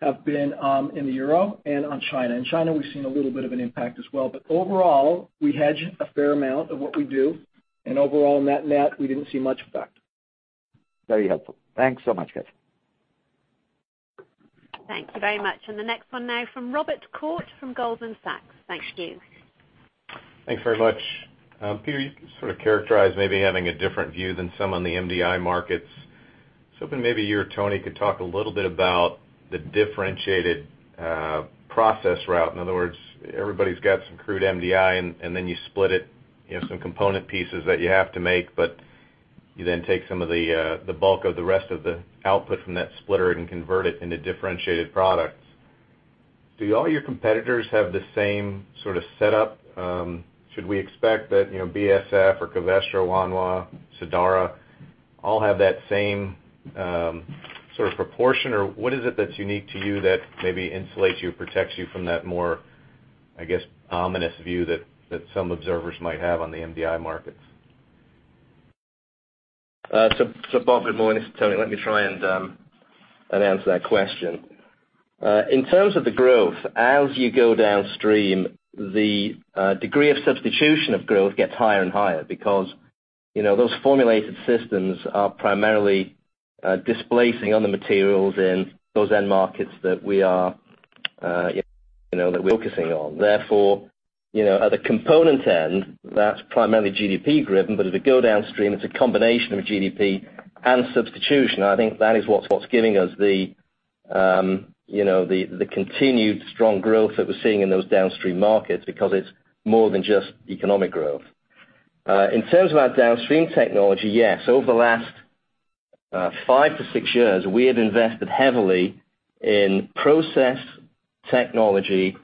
have been in the euro and on China. In China, we've seen a little bit of an impact as well. Overall, we hedge a fair amount of what we do, overall, net, we didn't see much effect. Very helpful. Thanks so much, guys. Thank you very much. The next one now from Robert Koort from Goldman Sachs. Thank you. Thanks very much. Peter, you sort of characterized maybe having a different view than some on the MDI markets. Was hoping maybe you or Tony could talk a little bit about the differentiated process route. In other words, everybody's got some crude MDI, and then you split it, some component pieces that you have to make, but you then take some of the bulk of the rest of the output from that splitter and convert it into differentiated products. Do all your competitors have the same sort of setup? Should we expect that BASF or Covestro, Wanhua, Sadara, all have that same sort of proportion, or what is it that's unique to you that maybe insulates you, protects you from that more, I guess, ominous view that some observers might have on the MDI markets? Bob, good morning. It's Tony. Let me try and answer that question. In terms of the growth, as you go downstream, the degree of substitution of growth gets higher and higher because those formulated systems are primarily displacing other materials in those end markets that we're focusing on. Therefore, at the component end, that's primarily GDP driven, but as we go downstream, it's a combination of GDP and substitution. I think that is what's giving us the continued strong growth that we're seeing in those downstream markets because it's more than just economic growth. In terms of our downstream technology, yes, over the last five to six years, we have invested heavily in process technology,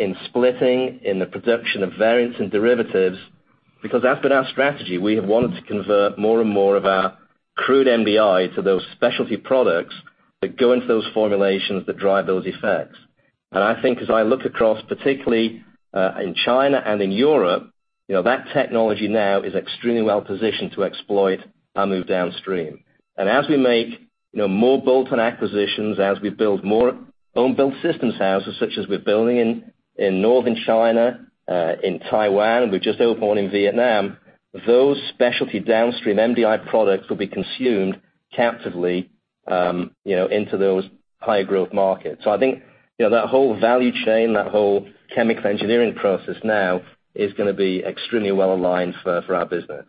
in splitting, in the production of variants and derivatives, because that's been our strategy. We have wanted to convert more and more of our crude MDI to those specialty products that go into those formulations that drive those effects. I think as I look across, particularly, in China and in Europe, that technology now is extremely well positioned to exploit our move downstream. As we make more bolt-on acquisitions, as we build more own-built systems houses, such as we're building in Northern China, in Taiwan, we've just opened one in Vietnam, those specialty downstream MDI products will be consumed captively into those higher growth markets. I think that whole value chain, that whole chemical engineering process now is going to be extremely well aligned for our business.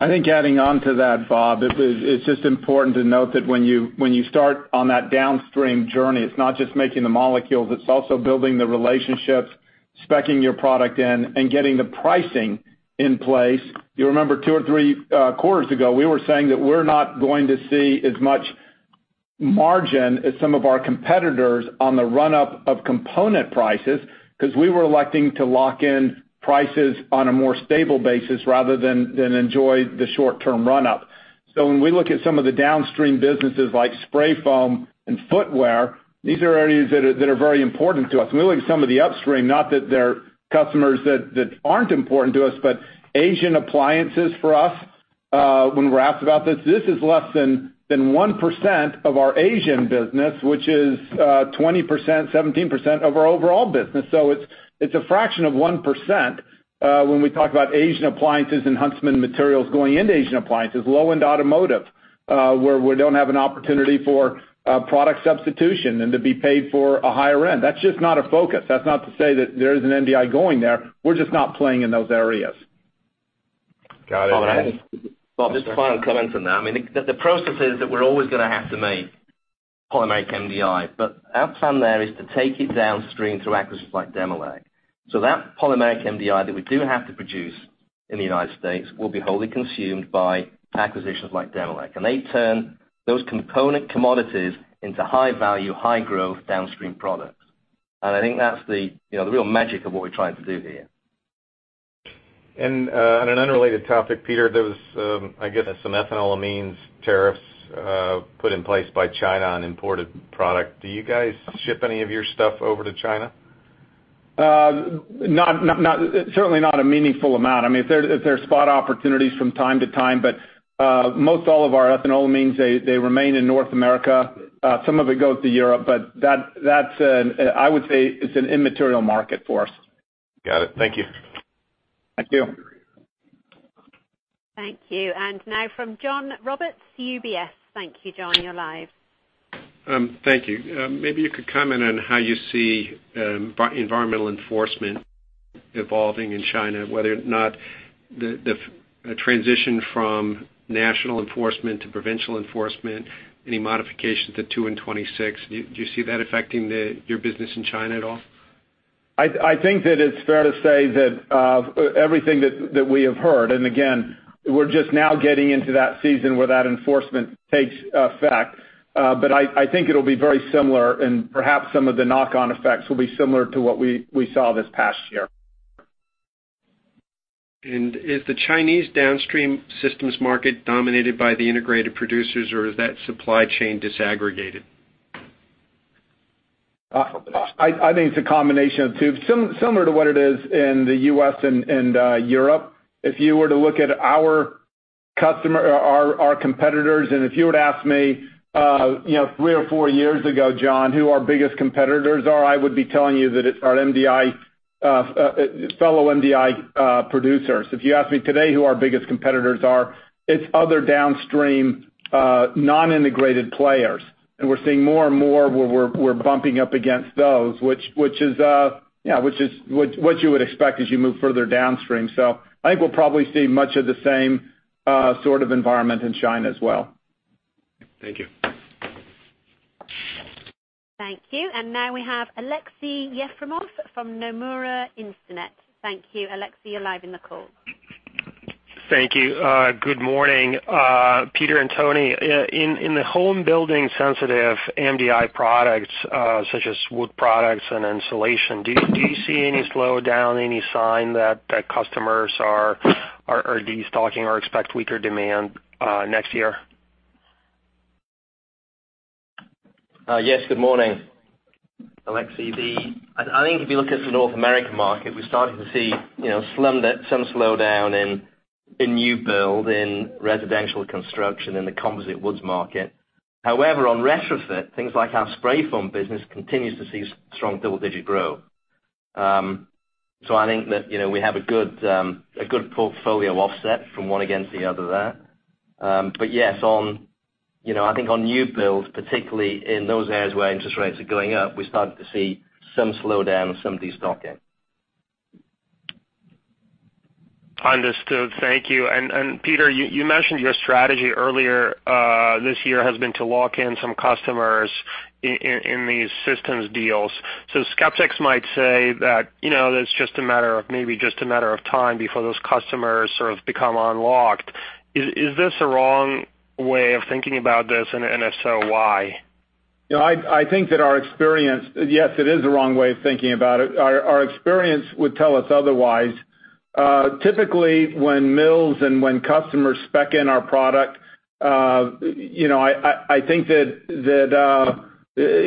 I think adding on to that, Bob, it's just important to note that when you start on that downstream journey, it's not just making the molecules, it's also building the relationships, speccing your product in, and getting the pricing in place. You remember two or three quarters ago, we were saying that we're not going to see as much margin as some of our competitors on the run-up of component prices, because we were electing to lock in prices on a more stable basis rather than enjoy the short-term run-up. When we look at some of the downstream businesses like spray foam and footwear, these are areas that are very important to us. We look at some of the upstream, not that they're customers that aren't important to us, but asian appliances for us, when we're asked about this is less than 1% of our Asian business, which is 20%, 17% of our overall business. It's a fraction of 1%, when we talk about asian appliances and Huntsman materials going into asian appliances, low-end automotive, where we don't have an opportunity for product substitution and to be paid for a higher end. That's just not a focus. That's not to say that there isn't MDI going there. We're just not playing in those areas. Got it. Bob, just a final comment on that. The process is that we're always going to have to make polymeric MDI, but our plan there is to take it downstream through acquisitions like Demilec. That polymeric MDI that we do have to produce in the U.S. will be wholly consumed by acquisitions like Demilec. They turn those component commodities into high value, high growth downstream products. I think that's the real magic of what we're trying to do here. On an unrelated topic, Peter, there was, I guess, some ethanolamines tariffs put in place by China on imported product. Do you guys ship any of your stuff over to China? Certainly not a meaningful amount. If there's spot opportunities from time to time, most all of our ethanolamines, they remain in North America. Some of it goes to Europe, that's, I would say it's an immaterial market for us. Got it. Thank you. Thank you. Thank you. Now from John Roberts, UBS. Thank you, John. You're live. Thank you. Maybe you could comment on how you see environmental enforcement evolving in China, whether or not the transition from national enforcement to provincial enforcement, any modifications at two and 26, do you see that affecting your business in China at all? I think that it's fair to say that everything that we have heard, again, we're just now getting into that season where that enforcement takes effect. I think it'll be very similar and perhaps some of the knock-on effects will be similar to what we saw this past year. Is the Chinese downstream systems market dominated by the integrated producers, or is that supply chain disaggregated? I think it's a combination of two. Similar to what it is in the U.S. and Europe. If you were to look at our competitors, if you were to ask me three or four years ago, John, who our biggest competitors are, I would be telling you that it's our fellow MDI producers. If you ask me today who our biggest competitors are, it's other downstream, non-integrated players. We're seeing more and more where we're bumping up against those, which is what you would expect as you move further downstream. I think we'll probably see much of the same sort of environment in China as well. Thank you. Thank you. Now we have Aleksey Yefremov from Nomura Instinet. Thank you, Aleksey. You're live in the call. Thank you. Good morning. Peter and Tony, in the home building sensitive MDI products, such as wood products and insulation, do you see any slowdown, any sign that customers are destocking or expect weaker demand next year? Yes, good morning, Aleksey. I think if you look at the North American market, we're starting to see some slowdown in new build in residential construction in the composite woods market. However, on retrofit, things like our spray foam business continues to see strong double-digit growth. I think that we have a good portfolio offset from one against the other there. Yes, I think on new builds, particularly in those areas where interest rates are going up, we're starting to see some slowdown and some destocking. Understood. Thank you. Peter, you mentioned your strategy earlier this year has been to lock in some customers in these systems deals. Skeptics might say that it's maybe just a matter of time before those customers sort of become unlocked. Is this a wrong way of thinking about this, and if so, why? Yes, it is the wrong way of thinking about it. Our experience would tell us otherwise. Typically, when mills and when customers spec in our product, I think that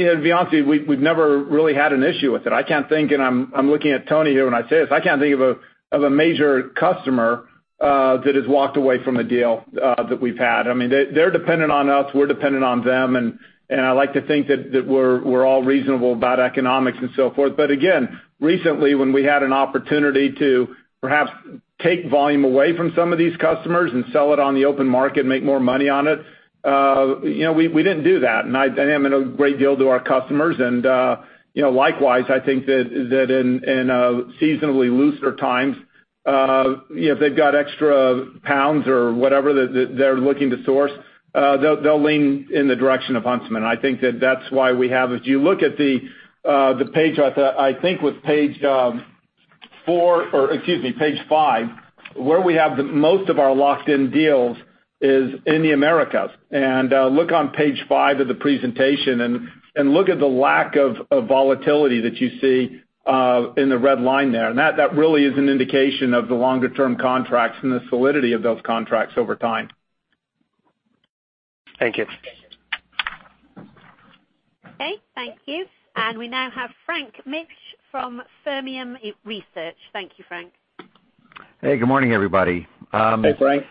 to be honest with you, we've never really had an issue with it. I'm looking at Tony here when I say this. I can't think of a major customer that has walked away from a deal that we've had. They're dependent on us, we're dependent on them, and I like to think that we're all reasonable about economics and so forth. Again, recently, when we had an opportunity to perhaps take volume away from some of these customers and sell it on the open market and make more money on it, we didn't do that. I am in a great deal to our customers. Likewise, I think that in seasonally looser times, if they've got extra pounds or whatever that they're looking to source, they'll lean in the direction of Huntsman. I think that's why we have, if you look at the page, I think it was page four, or excuse me, page five, where we have the most of our locked-in deals is in the Americas. Look on page five of the presentation and look at the lack of volatility that you see in the red line there. That really is an indication of the longer term contracts and the solidity of those contracts over time. Thank you. Okay, thank you. We now have Frank Mitsch from Fermium Research. Thank you, Frank. Hey, good morning, everybody. Hey, Frank.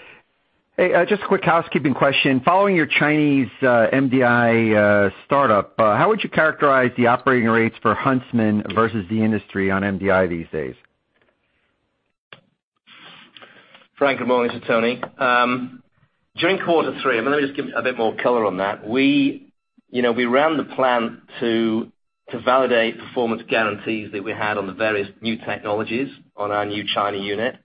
Hey, just a quick housekeeping question. Following your Chinese MDI startup, how would you characterize the operating rates for Huntsman versus the industry on MDI these days? Frank, good morning. It's Tony. During quarter three, I'm going to just give a bit more color on that. We ran the plant to validate performance guarantees that we had on the various new technologies on our new China unit.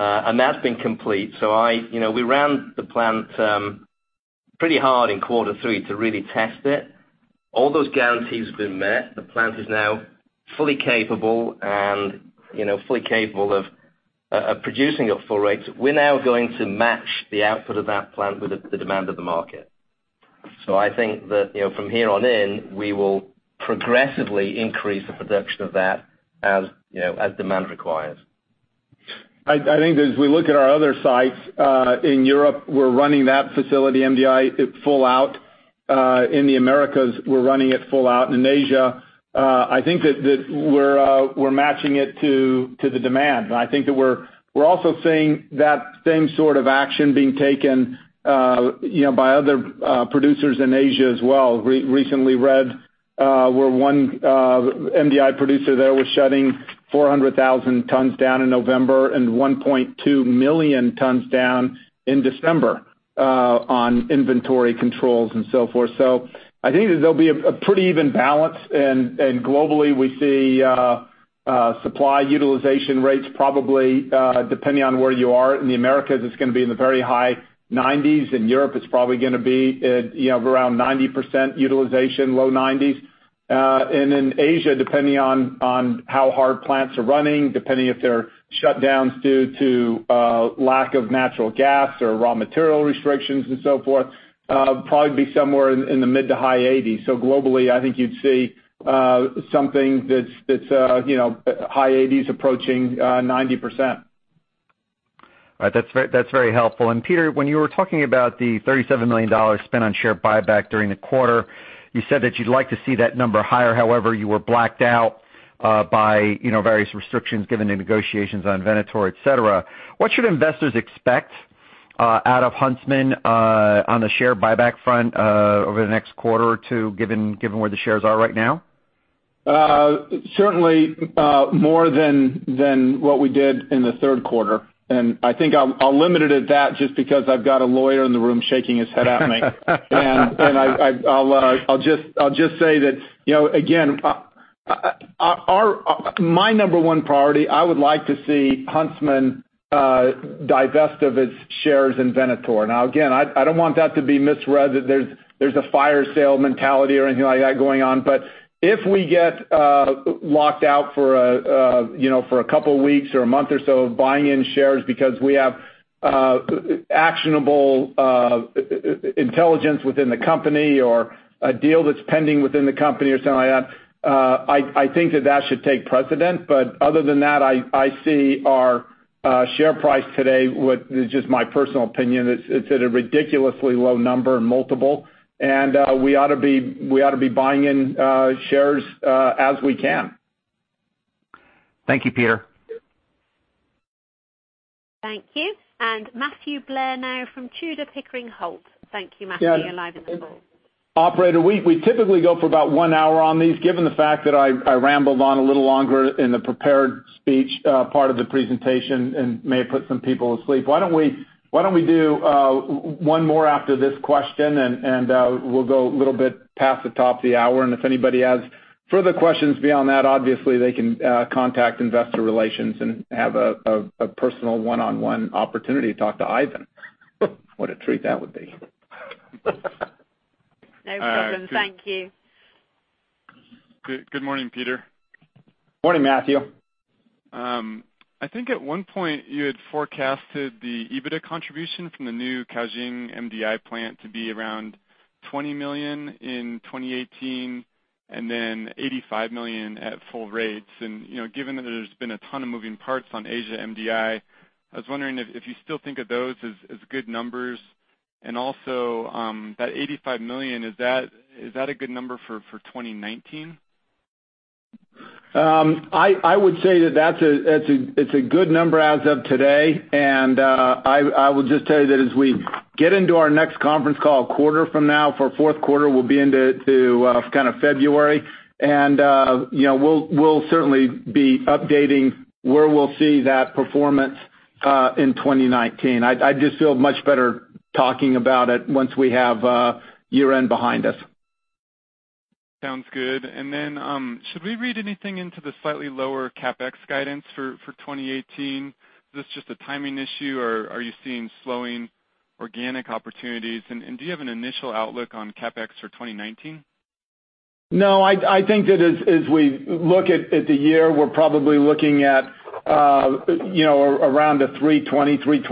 That's been complete. We ran the plant pretty hard in quarter three to really test it. All those guarantees have been met. The plant is now fully capable of producing at full rates. We're now going to match the output of that plant with the demand of the market. I think that from here on in, we will progressively increase the production of that as demand requires. I think as we look at our other sites, in Europe, we're running that facility MDI at full out. In the Americas, we're running it full out. In Asia, I think that we're matching it to the demand. I think that we're also seeing that same sort of action being taken by other producers in Asia as well. Recently read where one MDI producer there was shutting 400,000 tons down in November and 1.2 million tons down in December on inventory controls and so forth. I think that there'll be a pretty even balance, and globally we see supply utilization rates probably, depending on where you are. In the Americas, it's going to be in the very high 90s. In Europe, it's probably going to be around 90% utilization, low 90s. In Asia, depending on how hard plants are running, depending if there are shutdowns due to lack of natural gas or raw material restrictions and so forth, probably be somewhere in the mid to high 80s. Globally, I think you'd see something that's high 80s approaching 90%. All right. That's very helpful. Peter, when you were talking about the $37 million spent on share buyback during the quarter, you said that you'd like to see that number higher. However, you were blacked out by various restrictions given the negotiations on Venator, et cetera. What should investors expect out of Huntsman on the share buyback front over the next quarter or two, given where the shares are right now? Certainly more than what we did in the third quarter. I think I'll limit it at that just because I've got a lawyer in the room shaking his head at me. I'll just say that, again, my number one priority, I would like to see Huntsman divest of its shares in Venator. Now, again, I don't want that to be misread that there's a fire sale mentality or anything like that going on. If we get locked out for a couple of weeks or a month or so of buying in shares because we have actionable intelligence within the company or a deal that's pending within the company or something like that, I think that that should take precedent. Other than that, I see our share price today, with just my personal opinion, it's at a ridiculously low number and multiple, and we ought to be buying in shares as we can. Thank you, Peter. Thank you. Matthew Blair now from Tudor, Pickering, Holt & Co. Thank you, Matthew, you are live in the call. Operator, we typically go for about one hour on these. Given the fact that I rambled on a little longer in the prepared speech part of the presentation and may have put some people asleep, why don't we do one more after this question, and we will go a little bit past the top of the hour. If anybody has further questions beyond that, obviously they can contact investor relations and have a personal one-on-one opportunity to talk to Ivan. What a treat that would be. No problem. Thank you. Good morning, Peter. Morning, Matthew. I think at one point, you had forecasted the EBITDA contribution from the new Caojing MDI plant to be around $20 million in 2018 and then $85 million at full rates. Given that there's been a ton of moving parts on Asia MDI, I was wondering if you still think of those as good numbers, and also, that $85 million, is that a good number for 2019? I would say that it's a good number as of today. I would just tell you that as we get into our next conference call a quarter from now for fourth quarter, we'll be into kind of February. We'll certainly be updating where we'll see that performance in 2019. I just feel much better talking about it once we have year-end behind us. Sounds good. Then, should we read anything into the slightly lower CapEx guidance for 2018? Is this just a timing issue, or are you seeing slowing organic opportunities? Do you have an initial outlook on CapEx for 2019? I think that as we look at the year, we're probably looking at around a $320 million-$325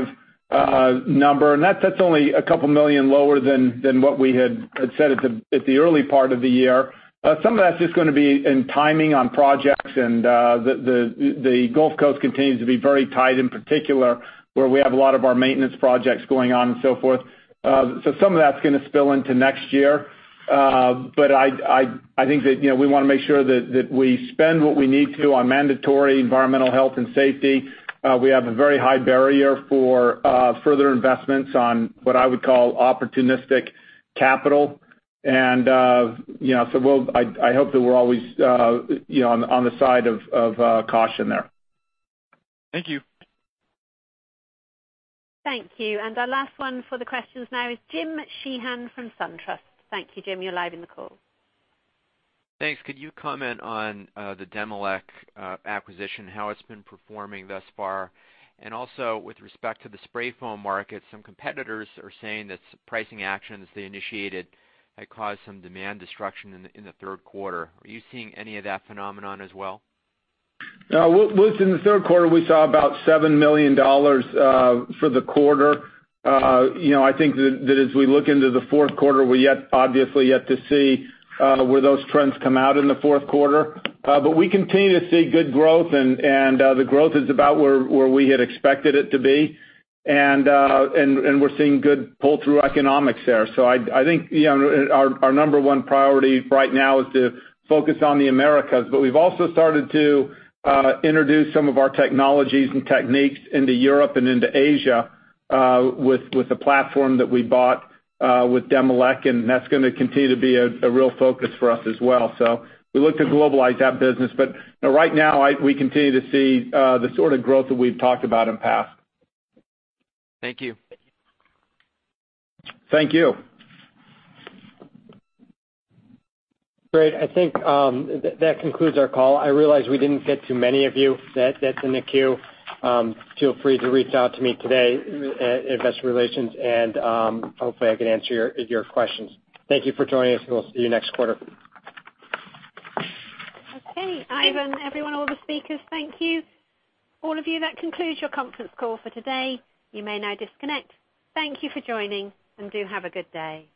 million number. That's only $2 million lower than what we had said at the early part of the year. Some of that's just going to be in timing on projects, and the Gulf Coast continues to be very tight, in particular, where we have a lot of our maintenance projects going on and so forth. Some of that's going to spill into next year. I think that we want to make sure that we spend what we need to on mandatory environmental health and safety. We have a very high barrier for further investments on what I would call opportunistic capital. I hope that we're always on the side of caution there. Thank you. Thank you. Our last one for the questions now is Jim Sheehan from SunTrust. Thank you, Jim. You're live in the call. Thanks. Could you comment on the Demilec acquisition, how it's been performing thus far? Also with respect to the spray foam market, some competitors are saying that pricing actions they initiated have caused some demand destruction in the third quarter. Are you seeing any of that phenomenon as well? Within the third quarter, we saw about $7 million for the quarter. I think that as we look into the fourth quarter, we obviously yet to see where those trends come out in the fourth quarter. We continue to see good growth, and the growth is about where we had expected it to be. We're seeing good pull-through economics there. I think our number 1 priority right now is to focus on the Americas. We've also started to introduce some of our technologies and techniques into Europe and into Asia, with the platform that we bought with Demilec, and that's going to continue to be a real focus for us as well. We look to globalize that business. Right now, we continue to see the sort of growth that we've talked about in the past. Thank you. Thank you. Great. I think that concludes our call. I realize we didn't get to many of you that's in the queue. Feel free to reach out to me today at investor relations, and hopefully, I can answer your questions. Thank you for joining us, and we'll see you next quarter. Okay. Ivan, everyone, all the speakers, thank you. All of you, that concludes your conference call for today. You may now disconnect. Thank you for joining, and do have a good day.